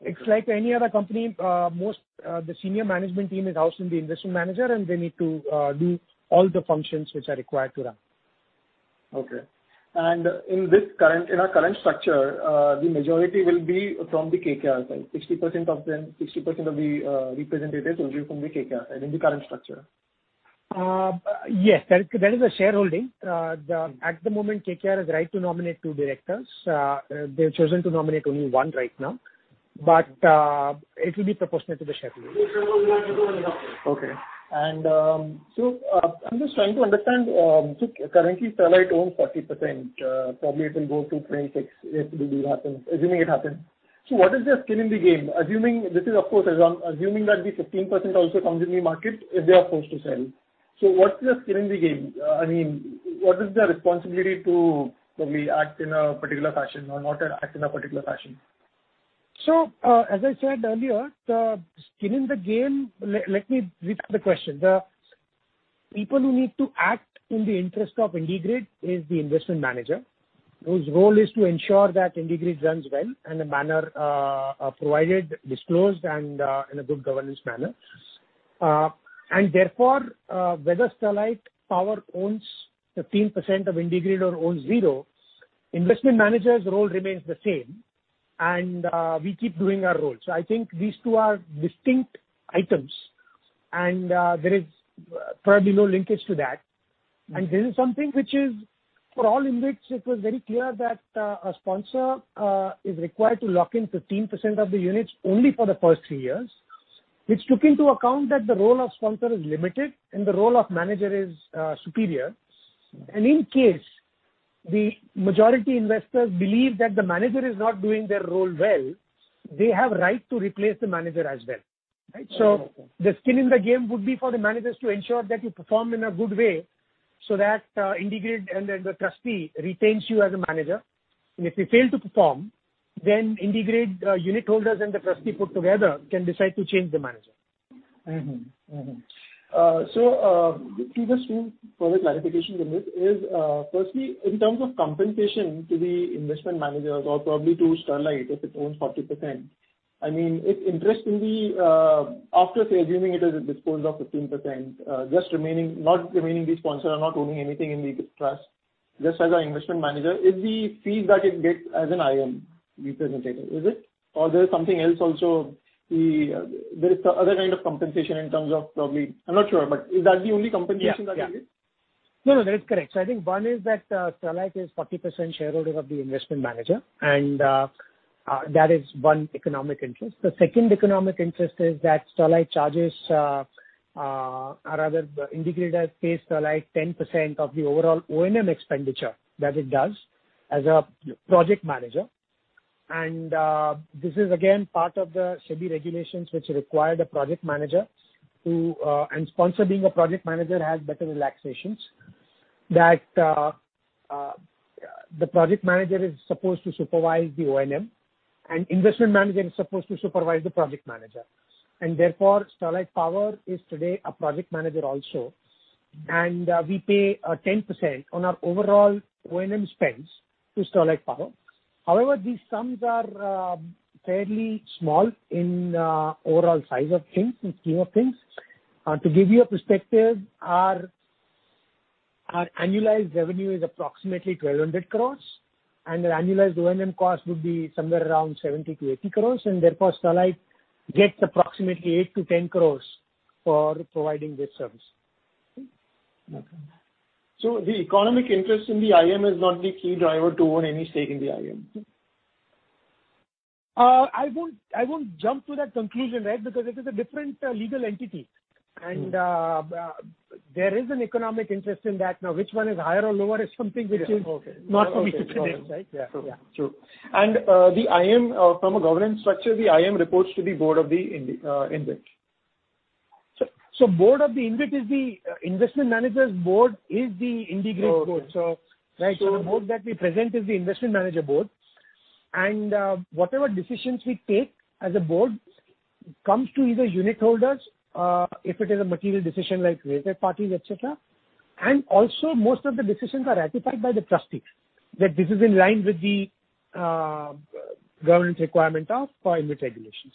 It's like any other company, most, the senior management team is housed in the investment manager, and they need to do all the functions which are required to run. Okay. In our current structure, the majority will be from the KKR side, 60% of the representatives will be from the KKR side in the current structure. Yes. That is a shareholding. At the moment, KKR has right to nominate two directors. They've chosen to nominate only one right now, but it will be proportional to the shareholding. Okay. I'm just trying to understand, currently Sterlite owns 40%, probably it will go to 26 if the deal happens, assuming it happens. What is their skin in the game? This is, of course, assuming that the 15% also comes in the market if they are forced to sell. What's their skin in the game? I mean, what is their responsibility to probably act in a particular fashion or not act in a particular fashion? As I said earlier, skin in the game. Let me repeat the question. The people who need to act in the interest of IndiGrid is the investment manager, whose role is to ensure that IndiGrid runs well, in a manner provided, disclosed, and in a good governance manner. Therefore, whether Sterlite Power owns 15% of IndiGrid or owns zero, investment manager's role remains the same, and we keep doing our role. I think these two are distinct items, and there is probably no linkage to that. This is something which is for all InvITs, it was very clear that a sponsor is required to lock in 15% of the units only for the first three years, which took into account that the role of sponsor is limited and the role of manager is superior. In case the majority investors believe that the manager is not doing their role well, they have right to replace the manager as well. Right. The skin in the game would be for the managers to ensure that you perform in a good way so that IndiGrid and the trustee retains you as a manager. If you fail to perform, then IndiGrid unit holders and the trustee put together can decide to change the manager. Previous two, further clarification on this is, firstly, in terms of compensation to the investment managers or probably to Sterlite, if it owns 40%. I mean, if interest after say, assuming it has disposed of 15%, not remaining the sponsor, not owning anything in the trust, just as an investment manager, is the fee that it gets as an IM representative, is it? There is something else also, there is other kind of compensation in terms of probably, I'm not sure, but is that the only compensation that it gets? Yeah. No, that is correct. I think one is that Sterlite is 40% shareholder of the investment manager, and that is one economic interest. The second economic interest is that Sterlite charges or rather IndiGrid has paid Sterlite 10% of the overall O&M expenditure that it does as a project manager. This is again part of the SEBI regulations which require the project manager and sponsor being a project manager has better relaxations, that the project manager is supposed to supervise the O&M, and investment manager is supposed to supervise the project manager. Therefore, Sterlite Power is today a project manager also. We pay 10% on our overall O&M spends to Sterlite Power. However, these sums are fairly small in overall size of things, in scheme of things. To give you a perspective, our annualized revenue is approximately 1,200 crores, the annualized O&M cost would be somewhere around 70 crores-80 crores, therefore, Sterlite gets approximately 8 crores-10 crores for providing this service. Okay. The economic interest in the IM is not the key driver to own any stake in the IM? I won't jump to that conclusion, right? Because it is a different legal entity, and there is an economic interest in that. Now, which one is higher or lower is something which is Yeah. Okay. --not for me to predict, right? Yeah. True. From a governance structure, the IM reports to the board of the InvIT. Board of the InvIT is the investment managers board is the IndiGrid board. Okay. The board that we present is the investment manager board. Whatever decisions we take as a board comes to either unit holders, if it is a material decision like related parties, et cetera. Also, most of the decisions are ratified by the trustees, that this is in line with the governance requirement of InvIT regulations.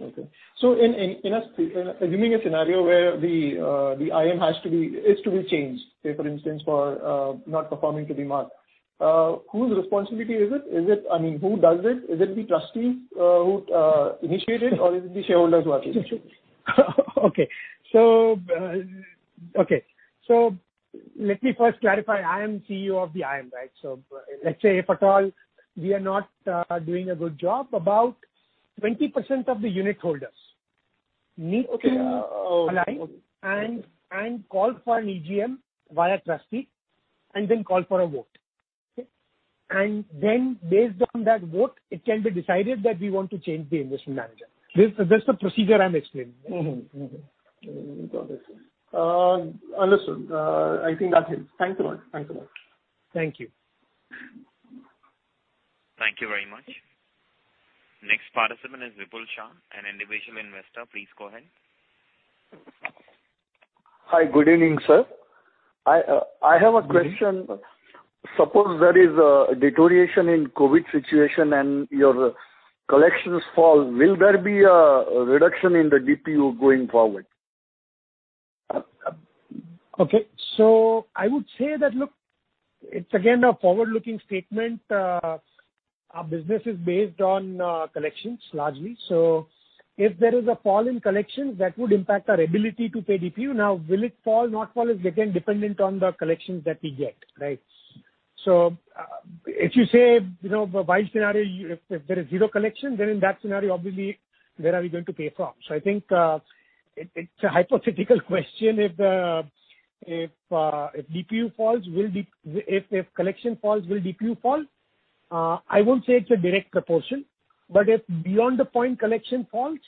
Okay. Assuming a scenario where the IM is to be changed, say for instance, for not performing to the mark, whose responsibility is it? Who does it? Is it the trustee who initiate it, or is it the shareholders who actually do it? Let me first clarify, I am CEO of the IM, right? Let's say if at all we are not doing a good job, about 20% of the unit holders Okay. --to align and call for an EGM via trustee, and then call for a vote. Okay? Based on that vote, it can be decided that we want to change the investment manager. That's the procedure I'm explaining. Got it. Understood. I think that's it. Thanks a lot. Thank you. Thank you very much. Next participant is Vipul Shah, an individual investor. Please go ahead. Hi. Good evening, sir. I have a question. Suppose there is a deterioration in COVID situation and your collections fall, will there be a reduction in the DPU going forward? I would say that, look, it's again a forward-looking statement. Our business is based on collections largely. If there is a fall in collections, that would impact our ability to pay DPU. Will it fall, not fall, is again dependent on the collections that we get, right? If you say, wild scenario, if there is zero collection, then in that scenario, obviously, where are we going to pay from? I think it's a hypothetical question. If collection falls, will DPU fall? I won't say it's a direct proportion, but if beyond the point collection falls,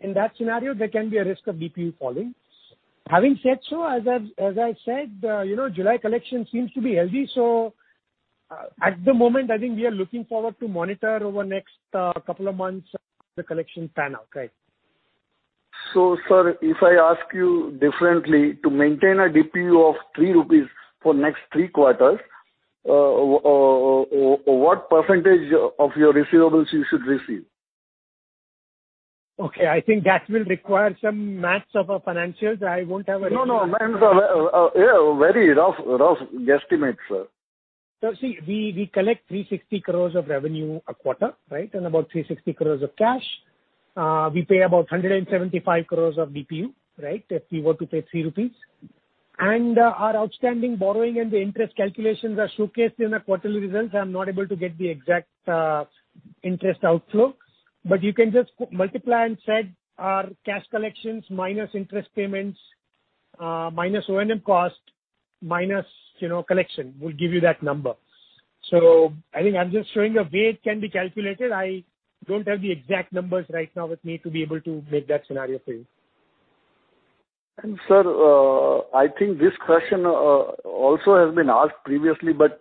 in that scenario, there can be a risk of DPU falling. Having said so, as I said, July collection seems to be healthy. At the moment, I think we are looking forward to monitor over next couple of months the collection pan out. Right? Sir, if I ask you differently, to maintain a DPU of 3 rupees for next three quarters, what percentage of your receivables you should receive? Okay. I think that will require some math of our financials. No, very rough guesstimate, sir. See, we collect 360 crore of revenue a quarter, right? About 360 crore of cash. We pay about 175 crore of DPU, right? If we were to pay 3 rupees. Our outstanding borrowing and the interest calculations are showcased in our quarterly results. I'm not able to get the exact interest outflow. You can just multiply and said our cash collections minus interest payments, minus O&M cost, minus collection, will give you that number. I think I'm just showing a way it can be calculated. I don't have the exact numbers right now with me to be able to make that scenario for you. Sir, I think this question also has been asked previously, but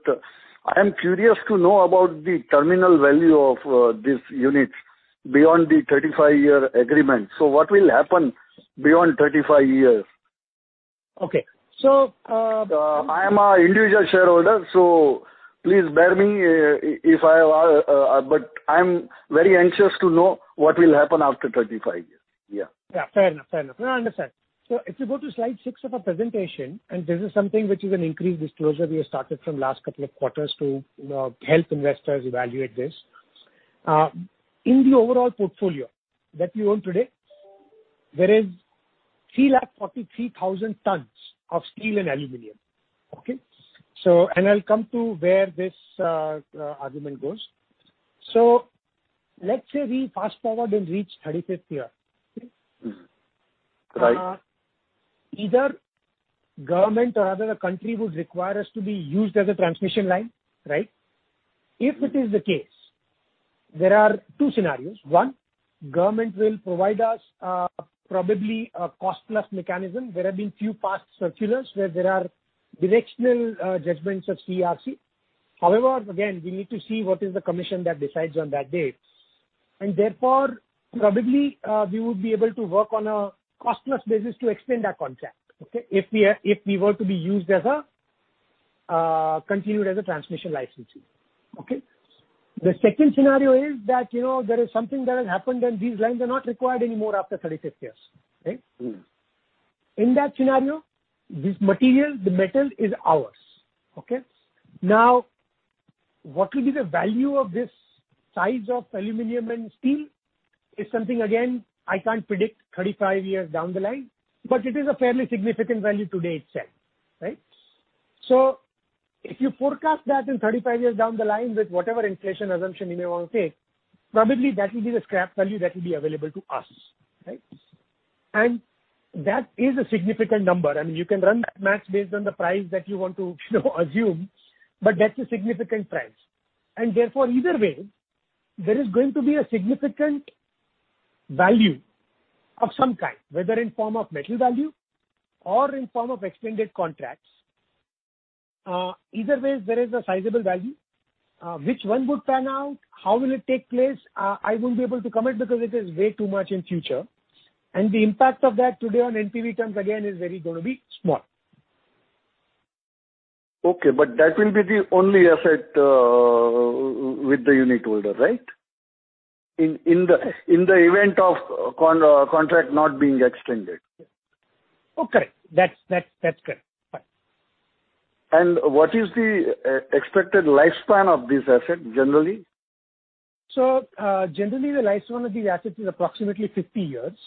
I am curious to know about the terminal value of these units beyond the 35-year agreement. What will happen beyond 35 years? Okay. I am an individual shareholder, so please bear me, but I'm very anxious to know what will happen after 35 years. Yeah. Yeah. Fair enough. No, I understand. If you go to slide six of our presentation, and this is something which is an increased disclosure we have started from last couple of quarters to help investors evaluate this. In the overall portfolio that we own today, there is 343,000 tons of steel and aluminum. Okay? I'll come to where this argument goes. Let's say we fast-forward and reach 35th year. Okay? Mm-hmm. Right. Either government or other country would require us to be used as a transmission line, right? If it is the case, there are two scenarios. One, government will provide us probably a cost-plus mechanism. There have been few past circulars where there are directional judgments of CERC. Again, we need to see what is the commission that decides on that date. Therefore, probably, we would be able to work on a cost-plus basis to extend that contract, okay? If we were to be continued as a transmission licensee. Okay? The second scenario is that, there is something that has happened, and these lines are not required anymore after 35 years. Right? In that scenario, this material, the metal is ours. Okay? What will be the value of this size of aluminum and steel is something, again, I can't predict 35 years down the line. It is a fairly significant value today itself, right? If you forecast that in 35 years down the line with whatever inflation assumption you may want to take, probably that will be the scrap value that will be available to us. Right? That is a significant number. You can run that math based on the price that you want to assume. That's a significant price. Therefore, either way, there is going to be a significant value of some kind, whether in form of metal value or in form of extended contracts. Either way, there is a sizable value. Which one would pan out, how will it take place? I won't be able to commit because it is way too much in future, and the impact of that today on NPV terms again, is very going to be small. Okay, that will be the only asset with the unitholder, right, in the event of contract not being extended? Okay. That's correct. Fine. What is the expected lifespan of this asset generally? Generally, the lifespan of the asset is approximately 50 years.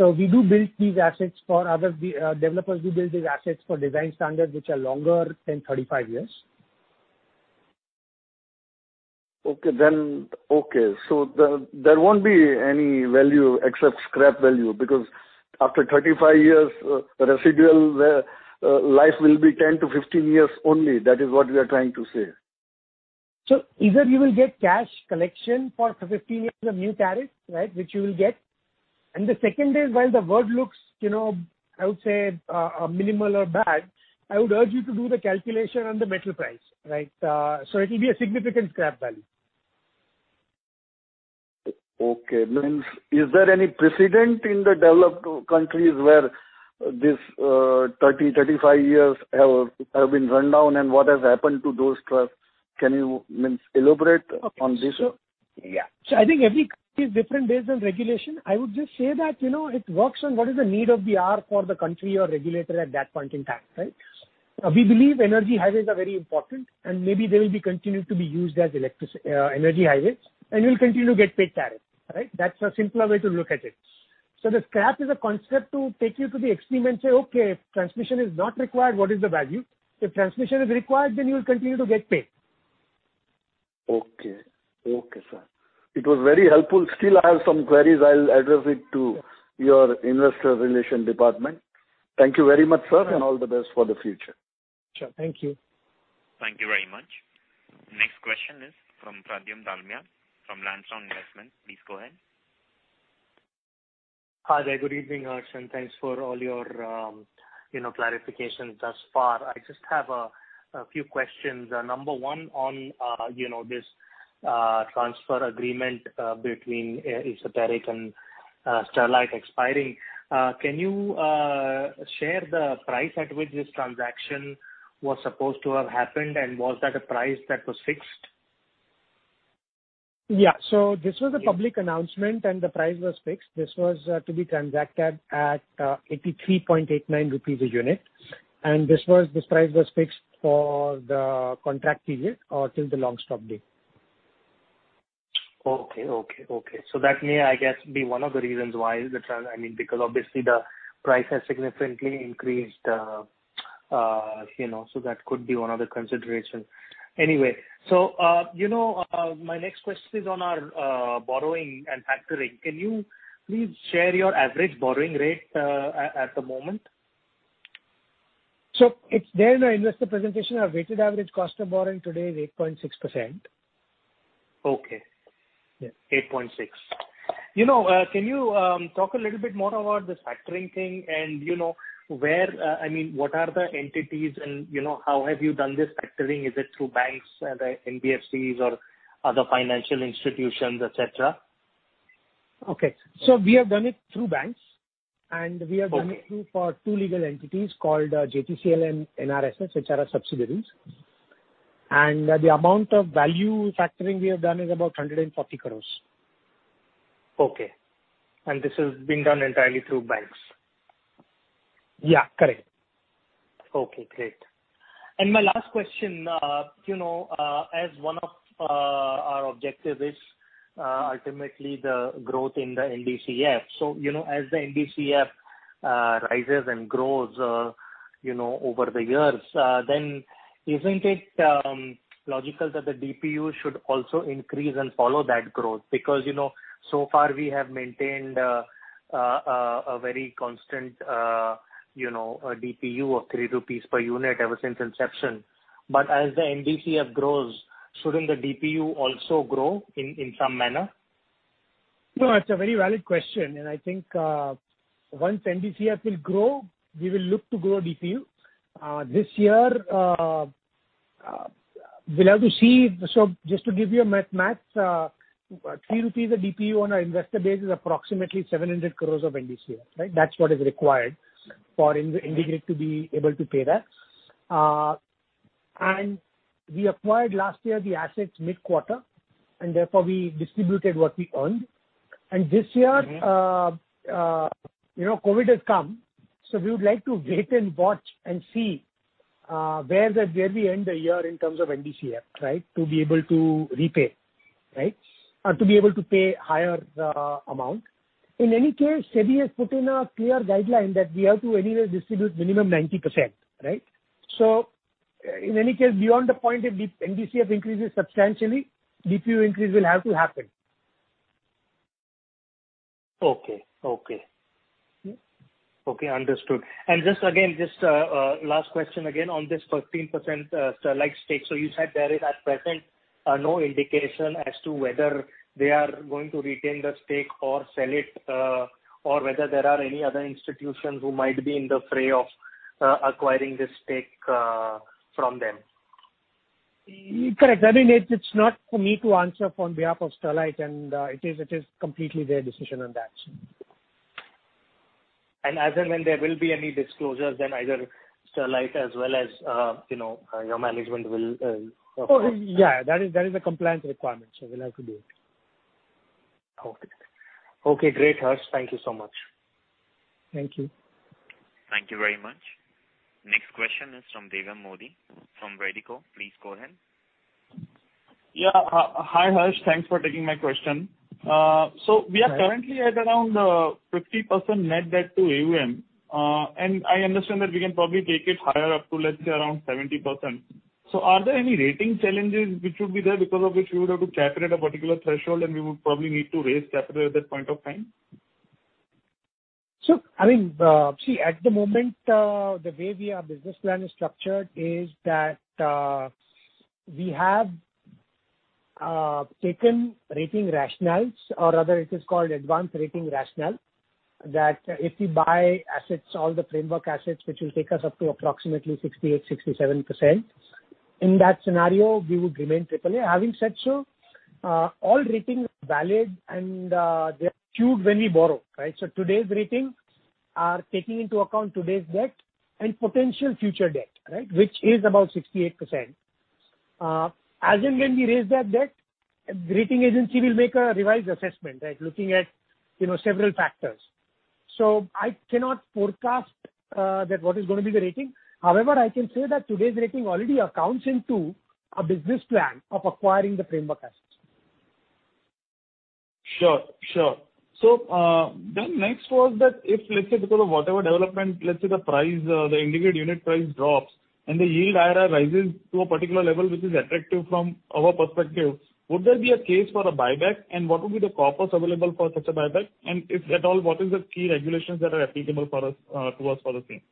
We do build these assets for other developers, we build these assets for design standards, which are longer than 35 years. Okay. There won't be any value except scrap value, because after 35 years, residual life will be 10-15 years only. That is what we are trying to say. Either you will get cash collection for 15 years of new tariff, which you will get. The second is, while the world looks, I would say, minimal or bad, I would urge you to do the calculation on the metal price. It'll be a significant scrap value. Okay. Is there any precedent in the developed countries where these 30-35 years have been run down and what has happened to those trusts? Can you elaborate on this? I think every country is different based on regulation. I would just say that it works on what is the need of the hour for the country or regulator at that point in time. We believe energy highways are very important and maybe they will be continued to be used as energy highways, and we will continue to get paid tariff. That's a simpler way to look at it. The scrap is a concept to take you to the extreme and say, "Okay, if transmission is not required, what is the value? If transmission is required, then you will continue to get paid. Okay, sir. It was very helpful. I have some queries. I'll address it to your Investor Relations Department. Thank you very much, sir. All the best for the future. Sure. Thank you. Thank you very much. Next question is from Pradyumna Dalmia from Landstone Investments. Please go ahead. Hi there. Good evening, Harsh, and thanks for all your clarifications thus far. I just have a few questions. Number one on this transfer agreement between Esoteric and Sterlite expiring. Can you share the price at which this transaction was supposed to have happened, and was that a price that was fixed? Yeah. This was a public announcement, and the price was fixed. This was to be transacted at 83.89 rupees a unit, and this price was fixed for the contract period or till the long stop date. Okay. That may, I guess, be one of the reasons why because obviously the price has significantly increased, so that could be one of the considerations. Anyway. My next question is on our borrowing and factoring. Can you please share your average borrowing rate at the moment? It's there in our investor presentation. Our weighted average cost of borrowing today is 8.6%. Okay. Yeah. 8.6%. Can you talk a little bit more about this factoring thing, and what are the entities and how have you done this factoring? Is it through banks, the NBFCs or other financial institutions, et cetera? We have done it through banks, and we have done it through for two legal entities called JTCL and NRSS, which are our subsidiaries. The amount of value factoring we have done is about 140 crores. Okay. This is being done entirely through banks? Yeah. Correct. Okay, great. My last question. As one of our objective is ultimately the growth in the NDCF. As the NDCF rises and grows over the years, then isn't it logical that the DPU should also increase and follow that growth? So far we have maintained a very constant DPU of 3 rupees per unit ever since inception. As the NDCF grows, shouldn't the DPU also grow in some manner? No, it's a very valid question, and I think once NDCF will grow, we will look to grow DPU. This year, we'll have to see. Just to give you a math, 3 rupees a DPU on our investor base is approximately 700 crore of NDCF. That's what is required for IndiGrid to be able to pay that. We acquired last year the assets mid-quarter, and therefore, we distributed what we earned. This year, COVID has come, we would like to wait and watch and see where we end the year in terms of NDCF to be able to repay. To be able to pay higher amount. In any case, SEBI has put in a clear guideline that we have to anyway distribute minimum 90%. In any case, beyond the point that NDCF increases substantially, DPU increase will have to happen. Okay. Understood. Just again, last question again on this 15% Sterlite stake. You said there is at present no indication as to whether they are going to retain the stake or sell it, or whether there are any other institutions who might be in the fray of acquiring this stake from them. Correct. It's not for me to answer on behalf of Sterlite. It is completely their decision on that. as and when there will be any disclosures, then either Sterlite as well as your management. Yeah, that is a compliance requirement, so we'll have to do it. Okay. Great, Harsh. Thank you so much. Thank you. Thank you very much. Next question is from Devam Mody from Redico. Please go ahead. Yeah. Hi, Harsh. Thanks for taking my question. Hi. We are currently at around 50% net debt to AUM. I understand that we can probably take it higher up to, let's say, around 70%. Are there any rating challenges which would be there, because of which we would have to cap it at a particular threshold, and we would probably need to raise capital at that point of time? At the moment, the way our business plan is structured is that we have taken rating rationales. Rather, it is called advanced rating rationale, that if we buy assets, all the framework assets which will take us up to approximately 68%, 67%. In that scenario, we would remain AAA. Having said so, all ratings are valid, and they're skewed when we borrow, right. Today's ratings are taking into account today's debt and potential future debt, which is about 68%. As and when we raise that debt, the rating agency will make a revised assessment, looking at several factors. I cannot forecast what is going to be the rating. However, I can say that today's rating already accounts into a business plan of acquiring the framework assets. Sure. Next was that if, let's say because of whatever development, let's say the IndiGrid unit price drops and the yield IRR rises to a particular level which is attractive from our perspective, would there be a case for a buyback and what would be the corpus available for such a buyback? If at all, what is the key regulations that are applicable to us for the same?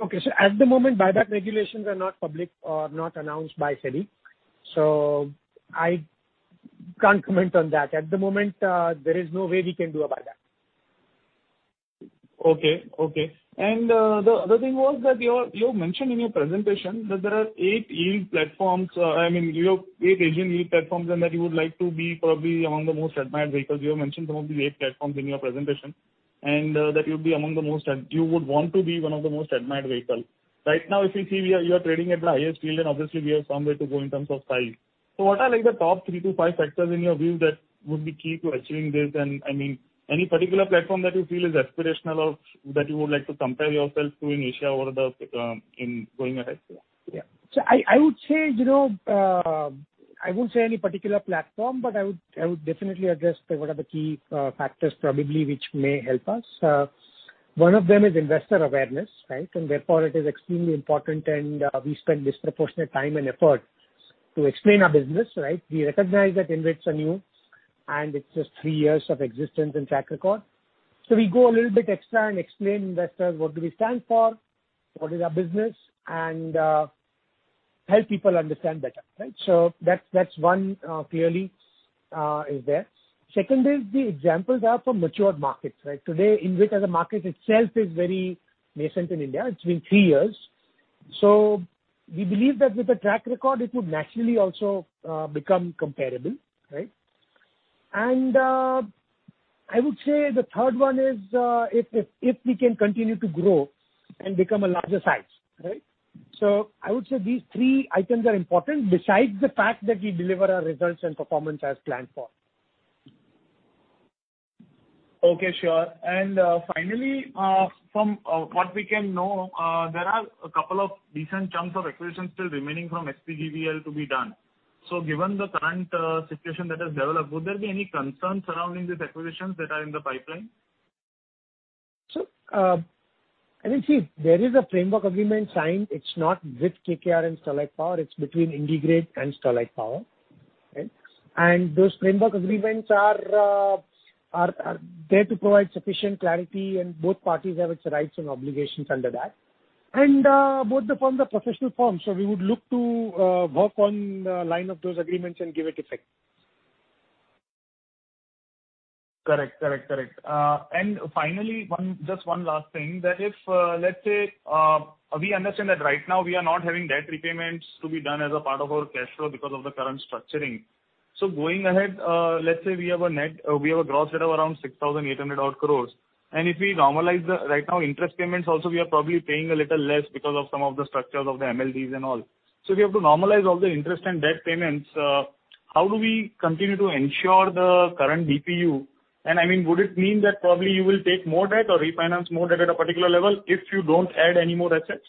Okay. At the moment, buyback regulations are not public or not announced by SEBI. I can't comment on that. At the moment, there is no way we can do a buyback. Okay. The other thing was that you mentioned in your presentation that there are eight yield platforms. You have eight Asian yield platforms and that you would like to be probably among the most admired vehicles. You have mentioned some of the eight platforms in your presentation, and that you would want to be one of the most admired vehicles. Right now, if you see, you are trading at the highest yield and obviously we have some way to go in terms of five. What are the top three to five factors in your view that would be key to achieving this? Any particular platform that you feel is aspirational or that you would like to compare yourself to in Asia in going ahead? I won't say any particular platform, but I would definitely address what are the key factors probably which may help us. One of them is investor awareness. Therefore, it is extremely important, and we spend disproportionate time and effort to explain our business. We recognize that InvITs are new and it's just three years of existence and track record. We go a little bit extra and explain investors what do we stand for, what is our business, and help people understand better. That one clearly is there. Second is the examples are from mature markets, right? Today, InvIT as a market itself is very nascent in India. It's been three years. We believe that with the track record, it would naturally also become comparable. I would say the third one is if we can continue to grow and become a larger size. I would say these three items are important besides the fact that we deliver our results and performance as planned for. Okay, sure. Finally, from what we can know, there are a couple of decent chunks of acquisitions still remaining from SPGVL to be done. Given the current situation that has developed, would there be any concerns surrounding these acquisitions that are in the pipeline? See, there is a framework agreement signed. It's not with KKR and Sterlite Power, it's between IndiGrid and Sterlite Power. Those framework agreements are there to provide sufficient clarity and both parties have its rights and obligations under that. Both the firms are professional firms. We would look to work on the line of those agreements and give it effect. Correct. Finally, just one last thing, we understand that right now we are not having debt repayments to be done as a part of our cash flow because of the current structuring. Going ahead, let's say we have a gross debt of around 6,800 odd crores. If we normalize the right now interest payments also we are probably paying a little less because of some of the structures of the MLDs and all. We have to normalize all the interest and debt payments. How do we continue to ensure the current DPU? Would it mean that probably you will take more debt or refinance more debt at a particular level if you don't add any more assets?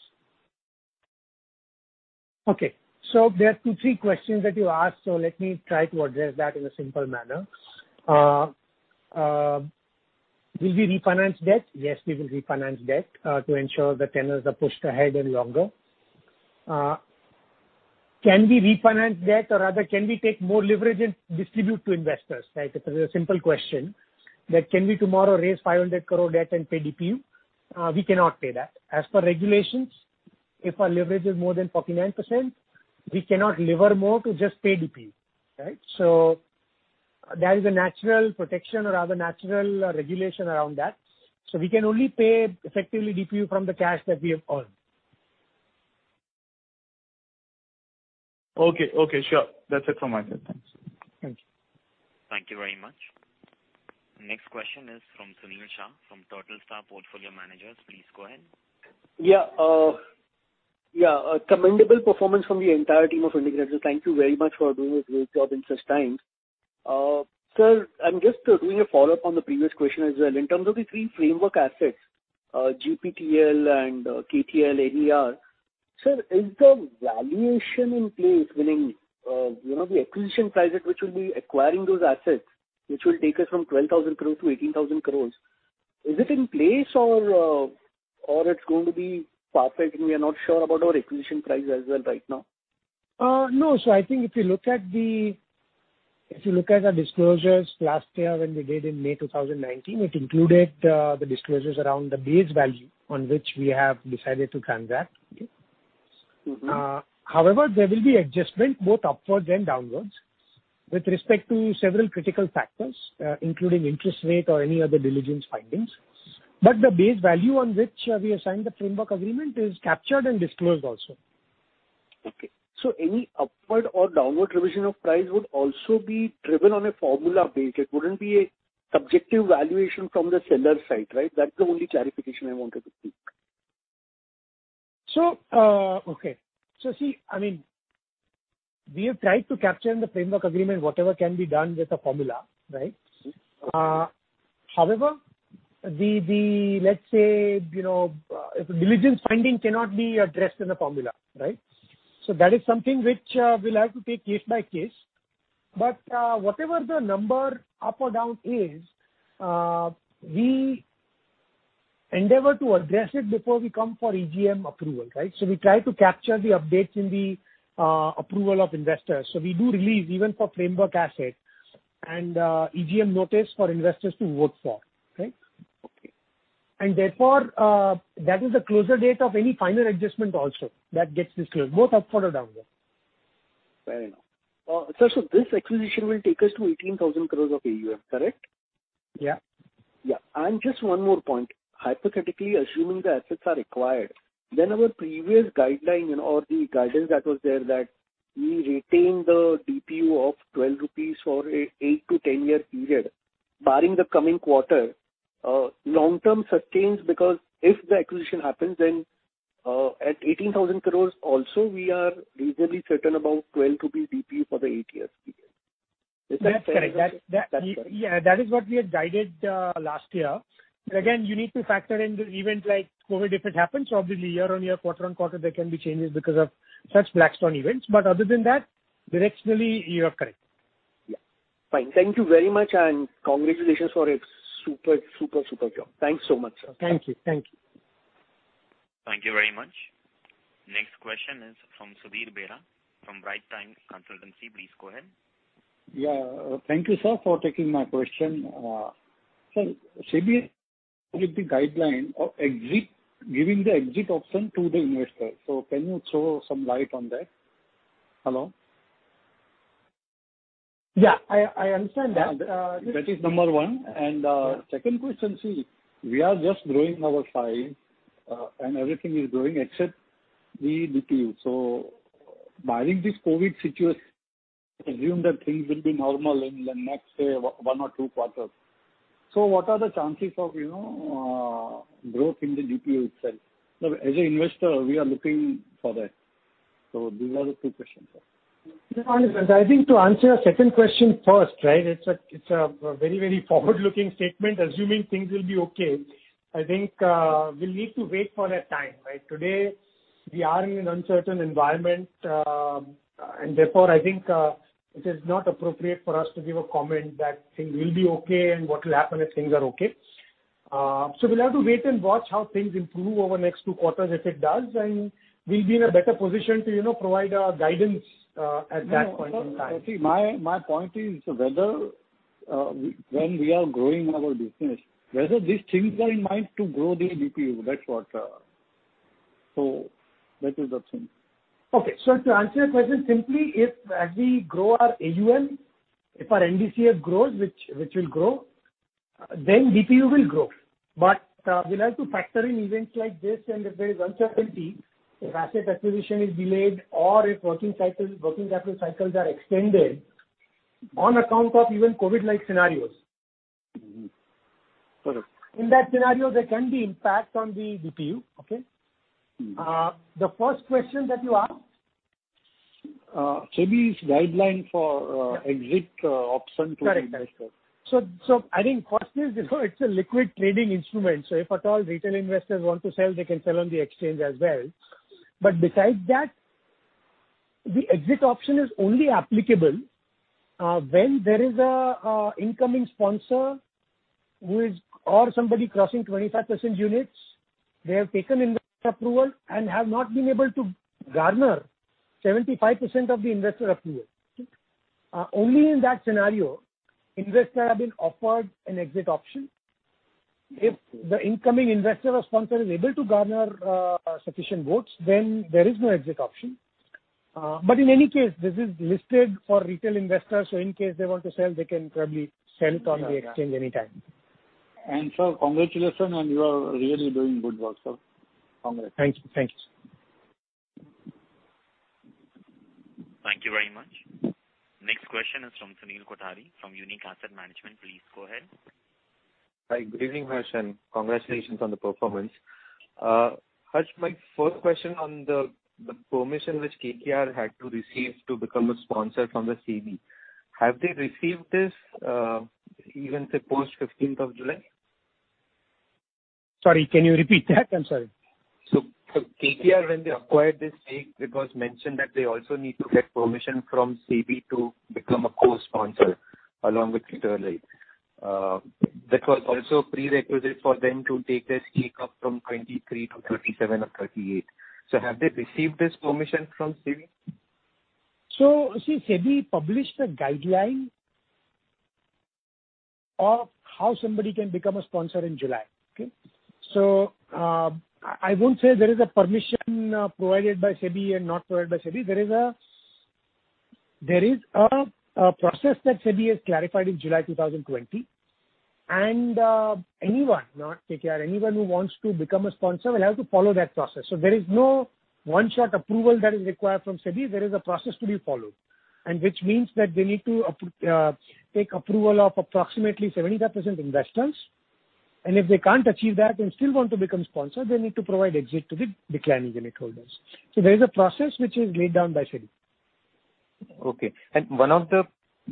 Okay. There are two, three questions that you asked, so let me try to address that in a simple manner. Will we refinance debt? Yes, we will refinance debt to ensure the tenors are pushed ahead and longer. Can we refinance debt or rather can we take more leverage and distribute to investors? Right. It's a simple question that can we tomorrow raise 500 crore debt and pay DPU? We cannot pay that. As per regulations, if our leverage is more than 49%, we cannot lever more to just pay DPU. Right. That is a natural protection or rather natural regulation around that. We can only pay effectively DPU from the cash that we have earned. Okay. Okay, sure. That's it from my side. Thanks. Thank you. Thank you very much. Next question is from Sunil Shah from Turtle Star Portfolio Managers. Please go ahead. Yeah. Yeah. A commendable performance from the entire team of IndiGrid. Thank you very much for doing a great job in such times. Sir, I'm just doing a follow-up on the previous question as well. In terms of the three framework assets, GPTL and KTL NER. Sir, is the valuation in place, meaning, the acquisition price at which we'll be acquiring those assets, which will take us from 12,000 crore-18,000 crore, is it in place or it's going to be perfect and we are not sure about our acquisition price as well right now? No. I think if you look at our disclosures last year when we did in May 2019, it included the disclosures around the base value on which we have decided to transact. There will be adjustment both upwards and downwards with respect to several critical factors, including interest rate or any other diligence findings. The base value on which we assigned the framework agreement is captured and disclosed also. Okay. Any upward or downward revision of price would also be driven on a formula base. It wouldn't be a subjective valuation from the seller's side, right? That's the only clarification I wanted to seek. Okay. See, we have tried to capture in the framework agreement whatever can be done with a formula, right? Let's say, if a diligence finding cannot be addressed in a formula, right? That is something which we'll have to take case by case. Whatever the number up or down is, we endeavor to address it before we come for EGM approval, right? We try to capture the updates in the approval of investors. We do release even for framework asset and EGM notice for investors to vote for. Right? Okay. Therefore, that is the closure date of any final adjustment also that gets disclosed, both upward or downward. Fair enough. Sir, this acquisition will take us to 18,000 crore of AUM, correct? Yeah. Yeah. Just one more point. Hypothetically, assuming the assets are acquired, then our previous guideline or the guidance that was there that we retain the DPU of 12 rupees for a 8-10 year period, barring the coming quarter, long-term sustains because if the acquisition happens, then, at 18,000 crore also we are reasonably certain about 12 rupees DPU for the eight-year period. Is that correct? That's correct. That's correct. Yeah, that is what we had guided last year. Again, you need to factor in the event like COVID if it happens. Obviously year on year, quarter on quarter, there can be changes because of such black swan events. Other than that, directionally, you are correct. Yeah. Fine. Thank you very much, and congratulations for a super job. Thanks so much, sir. Thank you. Thank you. Thank you very much. Next question is from Sudhir Behera from Right Time Consultancy. Please go ahead. Yeah. Thank you, sir, for taking my question. Sir, SEBI with the guideline of giving the exit option to the investor. Can you throw some light on that? Hello? Yeah, I understand that. That is number one. Second question, see, we are just growing our size, and everything is growing except the DPU. Barring this COVID situation, assume that things will be normal in the next, say, one or two quarters. What are the chances of growth in the DPU itself? As an investor, we are looking for that. These are the two questions, sir. I think to answer your second question first, right, it's a very forward-looking statement, assuming things will be okay. I think we'll need to wait for that time, right? Today, we are in an uncertain environment, therefore I think it is not appropriate for us to give a comment that things will be okay and what will happen if things are okay. We'll have to wait and watch how things improve over the next two quarters. If it does, then we'll be in a better position to provide our guidance at that point in time. No, sir. See, my point is whether when we are growing our business, whether these things are in mind to grow the DPU. That is the thing. Okay. To answer your question simply, if as we grow our AUM, if our NDCF grows, which will grow, then DPU will grow. We'll have to factor in events like this, and if there is uncertainty, if asset acquisition is delayed or if working capital cycles are extended on account of even COVID-like scenarios. Mm-hmm. Correct. In that scenario, there can be impact on the DPU. Okay? The first question that you asked SEBI's guideline for exit option to the investor. Correct. I think first is, it's a liquid trading instrument, so if at all retail investors want to sell, they can sell on the exchange as well. Besides that, the exit option is only applicable when there is a incoming sponsor or somebody crossing 25% units, they have taken investor approval and have not been able to garner 75% of the investor approval. Only in that scenario, investors have been offered an exit option. If the incoming investor or sponsor is able to garner sufficient votes, then there is no exit option. In any case, this is listed for retail investors, so in case they want to sell, they can probably sell it on the exchange anytime. Sir, congratulations, and you are really doing good work, sir. Congrats. Thank you. Thank you very much. Next question is from Sunil Kothari of Unique Asset Management. Please go ahead. Hi. Good evening, Harsh, and congratulations on the performance. Harsh, my first question on the permission which KKR had to receive to become a sponsor from the SEBI. Have they received this, even, say, post July 15th? Sorry, can you repeat that? I'm sorry. KKR, when they acquired this stake, it was mentioned that they also need to get permission from SEBI to become a co-sponsor along with Sterlite. That was also a prerequisite for them to take their stake up from 23%-37% or 38%. Have they received this permission from SEBI? See, SEBI published a guideline of how somebody can become a sponsor in July. I won't say there is a permission provided by SEBI and not provided by SEBI. There is a process that SEBI has clarified in July 2020. Anyone, not KKR, anyone who wants to become a sponsor will have to follow that process. There is no one-shot approval that is required from SEBI. There is a process to be followed, and which means that they need to take approval of approximately 75% investors. If they can't achieve that and still want to become sponsor, they need to provide exit to the declining unit holders. There is a process which is laid down by SEBI. Okay. One of the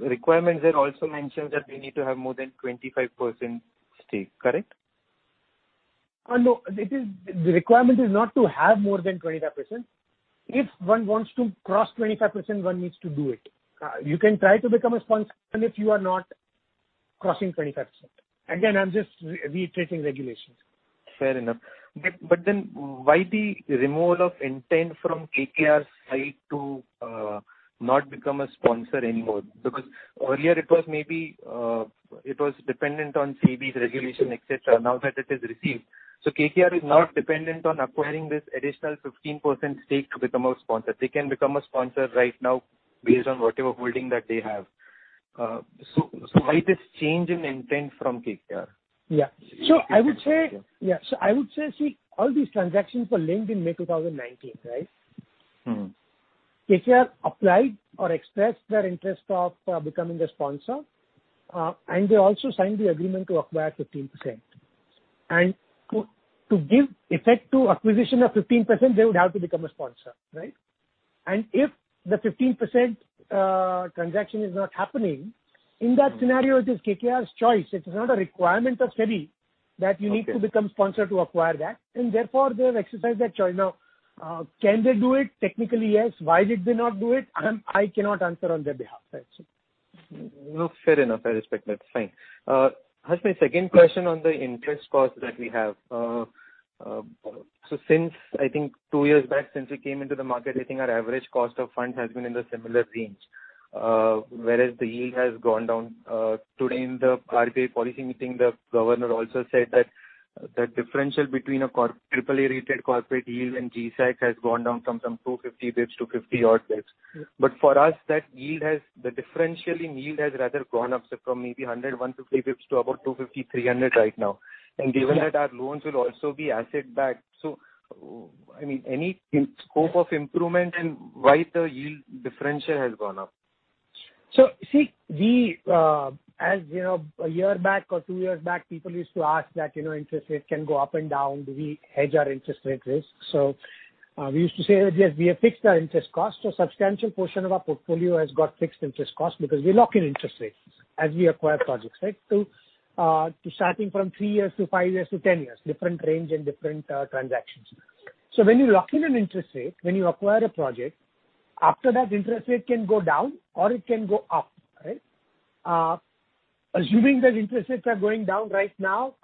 requirements there also mentions that they need to have more than 25% stake, correct? No. The requirement is not to have more than 25%. If one wants to cross 25%, one needs to do it. You can try to become a sponsor even if you are not crossing 25%. Again, I'm just reiterating regulations. Fair enough. Why the removal of intent from KKR's side to not become a sponsor anymore? Earlier it was dependent on SEBI's regulation, et cetera. Now that it is received, KKR is not dependent on acquiring this additional 15% stake to become a sponsor. They can become a sponsor right now based on whatever holding that they have. Why this change in intent from KKR? Yeah. I would say, see, all these transactions were linked in May 2019, right? KKR applied or expressed their interest of becoming a sponsor, and they also signed the agreement to acquire 15%. To give effect to acquisition of 15%, they would have to become a sponsor, right? If the 15% transaction is not happening, in that scenario, it is KKR's choice. It's not a requirement of SEBI that you need to become sponsor to acquire that. Therefore they have exercised that choice. Now, can they do it? Technically, yes. Why did they not do it? I cannot answer on their behalf. No, fair enough. I respect that. It's fine. Harsh, my second question on the interest cost that we have. Since, I think two years back, since we came into the market, I think our average cost of funds has been in the similar range. Whereas the yield has gone down. Today in the RBI policy meeting, the governor also said that the differential between a AAA-rated corporate yield and G-sec has gone down from 250 basis points to 50 odd basis points. For us, the differential in yield has rather gone up from maybe 100-150 basis points to about 250-300 basis points right now. Given that our loans will also be asset-backed. Any scope of improvement and why the yield differential has gone up? See, a year back or two years back, people used to ask that interest rate can go up and down. Do we hedge our interest rate risk? We used to say that, yes, we have fixed our interest cost. A substantial portion of our portfolio has got fixed interest cost because we lock in interest rates as we acquire projects. Starting from three years to five years to 10 years, different range and different transactions. When you lock in an interest rate, when you acquire a project, after that, interest rate can go down or it can go up, right? Assuming that interest rates are going down right now,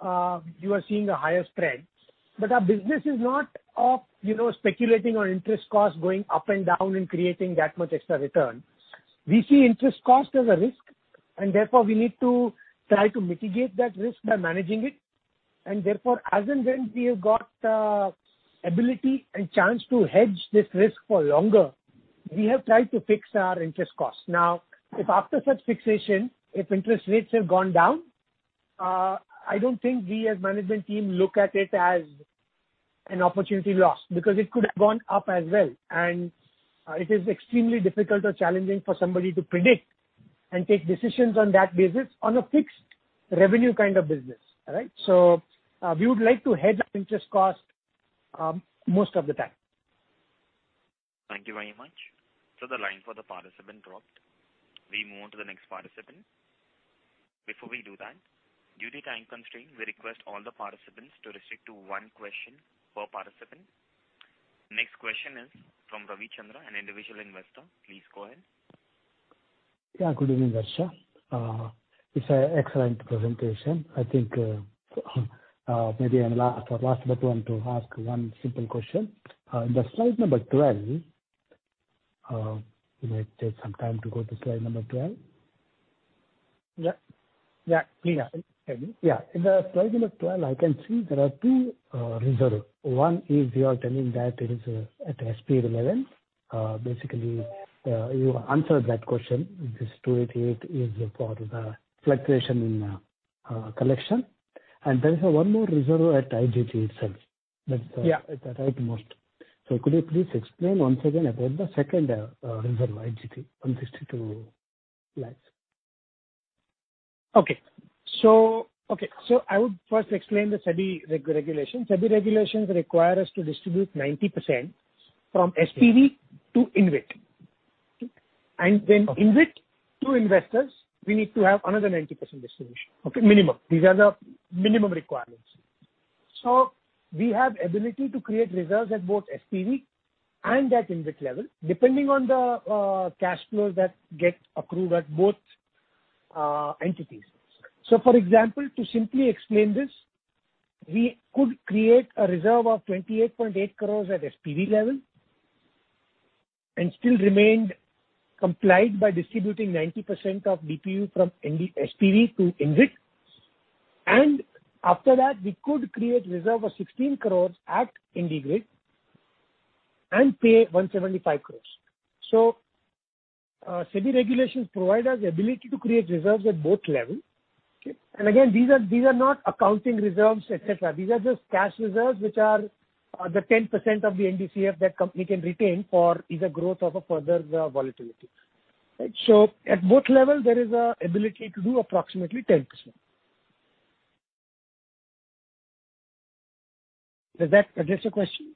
you are seeing a higher spread. Our business is not of speculating on interest cost going up and down and creating that much extra return. We see interest cost as a risk, therefore, we need to try to mitigate that risk by managing it. Therefore, as and when we have got ability and chance to hedge this risk for longer, we have tried to fix our interest cost. Now, if after such fixation, if interest rates have gone down, I don't think we as management team look at it as an opportunity lost because it could have gone up as well. It is extremely difficult or challenging for somebody to predict and take decisions on that basis on a fixed revenue kind of business, right? We would like to hedge our interest cost most of the time. Thank you very much. The line for the participant dropped. We move on to the next participant. Before we do that, due to time constraint, we request all the participants to restrict to one question per participant. Next question is from Ravi Chandra, an individual investor. Please go ahead. Yeah. Good evening, Harsh. It's an excellent presentation. I think maybe I'm last, or last but one, to ask one simple question. The slide number 12. It might take some time to go to slide number 12. Yeah. Yeah. In the slide number 12, I can see there are two reserves. One is you are telling that it is at SP level. Basically, you answered that question. This 288 is for the fluctuation in collection. There is one more reserve at IGT itself. Yeah. At the right most. Could you please explain once again about the second reserve, IndiGrid, 162 lakhs. I would first explain the SEBI regulations. SEBI regulations require us to distribute 90% from SPV to InvIT. InvIT to investors, we need to have another 90% distribution. Minimum. These are the minimum requirements. We have ability to create reserves at both SPV and at InvIT level, depending on the cash flows that get accrued at both entities. For example, to simply explain this, we could create a reserve of 28.8 crores at SPV level and still remained compliant by distributing 90% of DPU from SPV to InvIT. After that, we could create reserve of 16 crores at IndiGrid and pay 175 crores. SEBI regulations provide us the ability to create reserves at both level. Again, these are not accounting reserves. These are just cash reserves, which are the 10% of the NDCF that company can retain for either growth of a further volatility. Right? At both levels, there is ability to do approximately 10%. Does that address your question?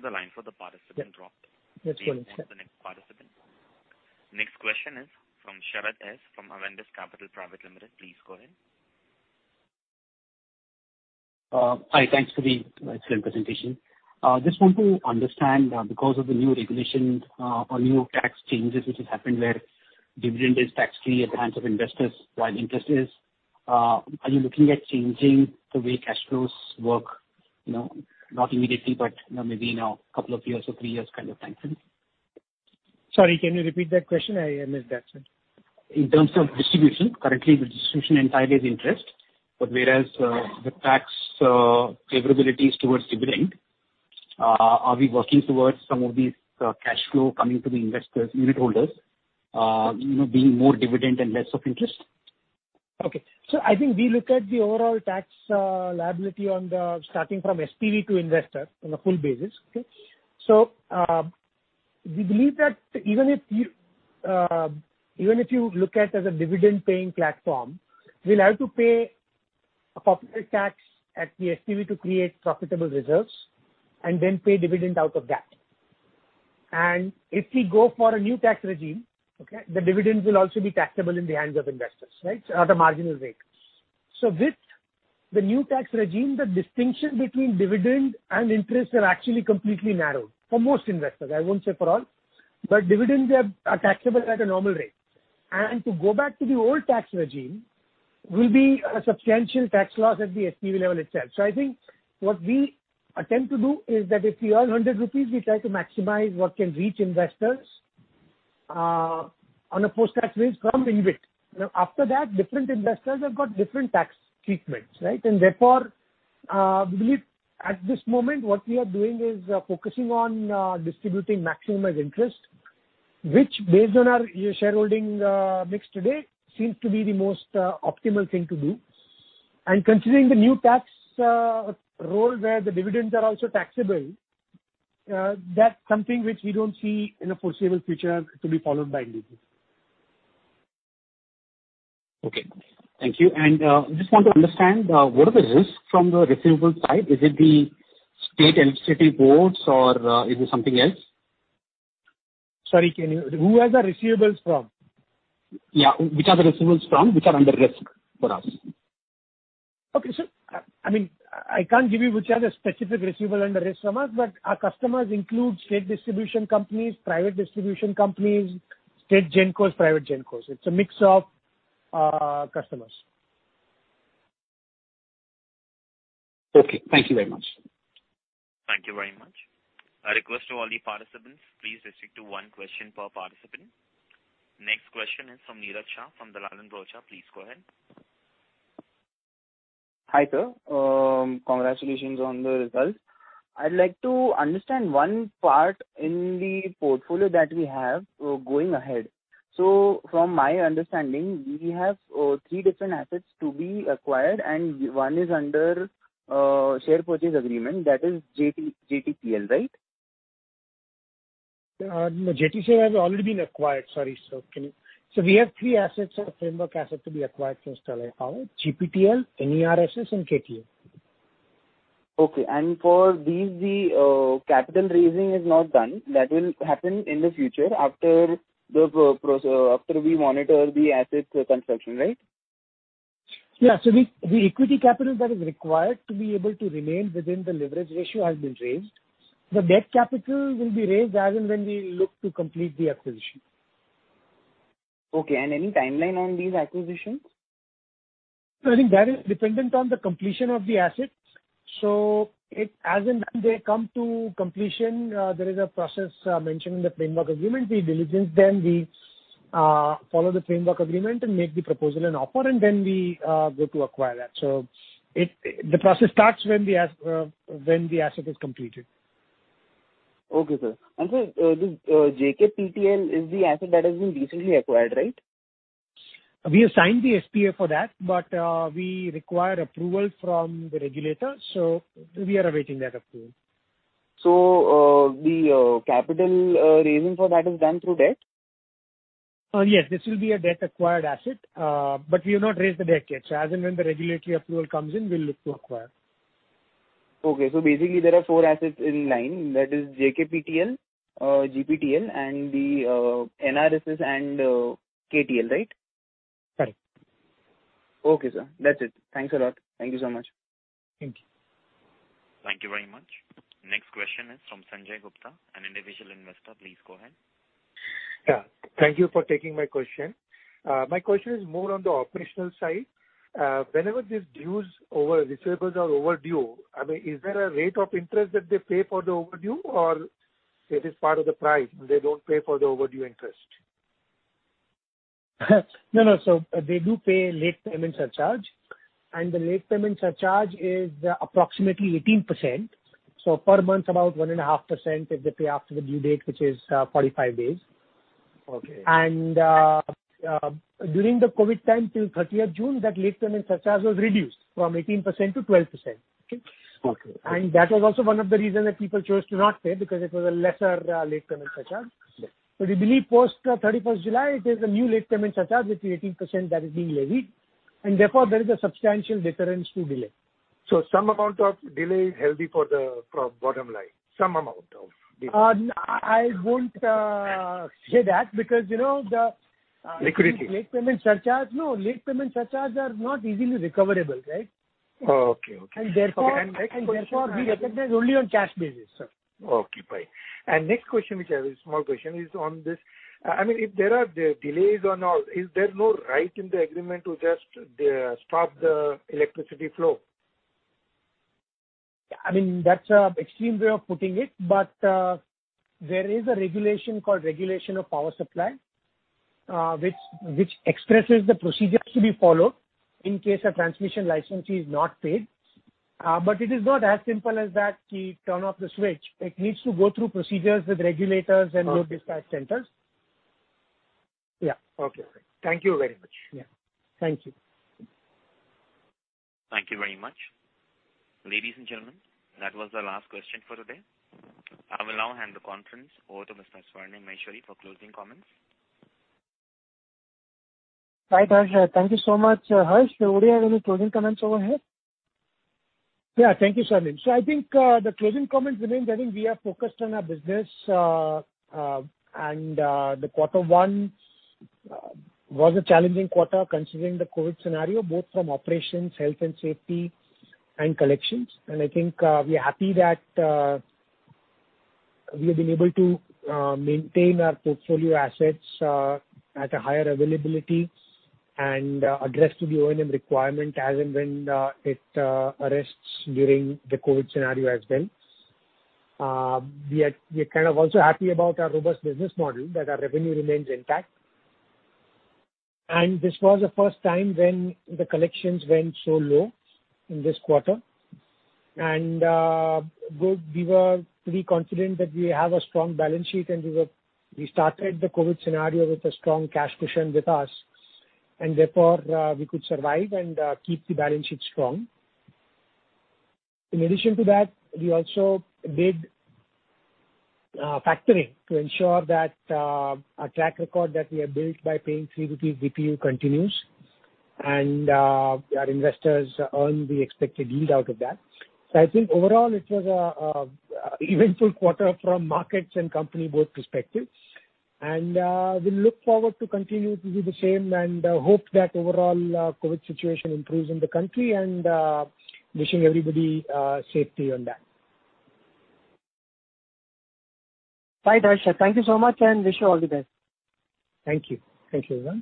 The line for the participant dropped. That's fine. We will call the next participant. Next question is from Sharad S. from Avendus Capital Private Limited. Please go ahead. Hi. Thanks for the excellent presentation. Just want to understand, because of the new regulation or new tax changes which has happened where dividend is tax-free at the hands of investors while interest is, are you looking at changing the way cash flows work? Not immediately, but maybe in a couple of years or three years kind of timeframe. Sorry, can you repeat that question? I missed that, sir. In terms of distribution, currently the distribution entirely is interest. Whereas, the tax favorability is towards dividend. Are we working towards some of these cash flow coming to the investors, unitholders, being more dividend and less of interest? Okay. I think we look at the overall tax liability on the, starting from SPV to investor on a full basis. Okay. We believe that even if you look at as a dividend-paying platform, we'll have to pay a corporate tax at the SPV to create profitable reserves and then pay dividend out of that. If we go for a new tax regime, okay, the dividends will also be taxable in the hands of investors, right? At a marginal rate. With the new tax regime, the distinction between dividend and interest are actually completely narrowed for most investors. I won't say for all. Dividends are taxable at a normal rate. To go back to the old tax regime will be a substantial tax loss at the SPV level itself. I think what we attempt to do is that if we earn 100 rupees, we try to maximize what can reach investors on a post-tax basis from InvIT. After that, different investors have got different tax treatments, right. Therefore, we believe at this moment, what we are doing is focusing on distributing maximum as interest, which based on our shareholding mix today, seems to be the most optimal thing to do. Considering the new tax rule where the dividends are also taxable, that's something which we don't see in the foreseeable future to be followed by InvIT. Okay. Thank you. Just want to understand, what are the risks from the receivables side? Is it the state electricity boards or is it something else? Sorry, Who are the receivables from? Yeah. Which are the receivables from, which are under risk for us? Okay. I can't give you which are the specific receivable and the risk from us, but our customers include state distribution companies, private distribution companies, state GenCos, private GenCos. It's a mix of customers. Okay. Thank you very much. Thank you very much. A request to all the participants, please restrict to one question per participant. Next question is from Neeraj Shah from Dalal & Broacha. Please go ahead. Hi, sir. Congratulations on the results. I'd like to understand one part in the portfolio that we have going ahead. From my understanding, we have three different assets to be acquired, and one is under share purchase agreement. That is JTPL, right? No, Jhajjar has already been acquired. Sorry, sir. We have three assets or framework assets to be acquired from Sterlite Power, GPTL, NER-II, and KTL. Okay. For these, the capital raising is not done. That will happen in the future after we monitor the asset construction, right? Yeah. The equity capital that is required to be able to remain within the leverage ratio has been raised. The debt capital will be raised as and when we look to complete the acquisition. Okay. Any timeline on these acquisitions? No, I think that is dependent on the completion of the assets. As and when they come to completion, there is a process mentioned in the framework agreement. We diligence them, we follow the framework agreement and make the proposal an offer, and then we go to acquire that. The process starts when the asset is completed. Okay, sir. Sir, this JKTPL is the asset that has been recently acquired, right? We have signed the SPA for that, but we require approval from the regulator. We are awaiting that approval. The capital raising for that is done through debt? Yes, this will be a debt-acquired asset. We have not raised the debt yet. As and when the regulatory approval comes in, we'll look to acquire. Basically there are four assets in line. That is JKTPL, GPTL, and the NRSS and KTL, right? Correct. Okay, sir. That's it. Thanks a lot. Thank you so much. Thank you. Thank you very much. Next question is from Sanjay Gupta, an individual investor. Please go ahead. Thank you for taking my question. My question is more on the operational side. Whenever these receivables are overdue, is there a rate of interest that they pay for the overdue, or it is part of the price, they don't pay for the overdue interest? They do pay late payment surcharge. The late payment surcharge is approximately 18%. Per month, about 1.5% if they pay after the due date, which is 45 days. Okay. During the COVID time till June 30th, that late payment surcharge was reduced from 18% to 12%. Okay. Okay. That was also one of the reasons that people chose to not pay, because it was a lesser late payment surcharge. Yes. We believe post July 31st, it is a new late payment surcharge at 18% that is being levied, and therefore there is a substantial deterrence to delay. Some amount of delay is healthy for bottom-line, some amount of delay. I won't say that because Liquidity. --late payment surcharge. No, late payment surcharges are not easily recoverable, right? Oh, okay. Therefore, we recognize only on cash basis. Okay, fine. Next question which I have, a small question is on this. If there are delays and all, is there no right in the agreement to just stop the electricity flow? That's an extreme way of putting it. There is a regulation called Regulation of Power Supply, which expresses the procedures to be followed in case a transmission licensee is not paid. It is not as simple as that, we turn off the switch. It needs to go through procedures with regulators and load dispatch centers. Yeah. Okay. Thank you very much. Yeah. Thank you. Thank you very much. Ladies and gentlemen, that was our last question for today. I will now hand the conference over to Mr. Swarnim Maheshwari for closing comments. Right. Thank you so much, Harsh. Would you have any closing comments over here? Yeah, thank you, Swarnim. I think the closing comments remains, I think we are focused on our business. The quarter one was a challenging quarter considering the COVID scenario, both from operations, health, and safety and collections. I think we are happy that we have been able to maintain our portfolio assets at a higher availability and addressed the O&M requirement as and when it arises during the COVID scenario as well. We are also happy about our robust business model that our revenue remains intact. This was the first time when the collections went so low in this quarter. We were pretty confident that we have a strong balance sheet, and we started the COVID scenario with a strong cash cushion with us, and therefore we could survive and keep the balance sheet strong. In addition to that, we also did factoring to ensure that our track record that we have built by paying 3 rupees per unit DPU continues, and our investors earn the expected yield out of that. I think overall it was an eventful quarter from markets and company, both perspectives. We look forward to continue to do the same and hope that overall COVID situation improves in the country, and wishing everybody safety on that. Bye, Harsh. Thank you so much and wish you all the best. Thank you. Thank you very much.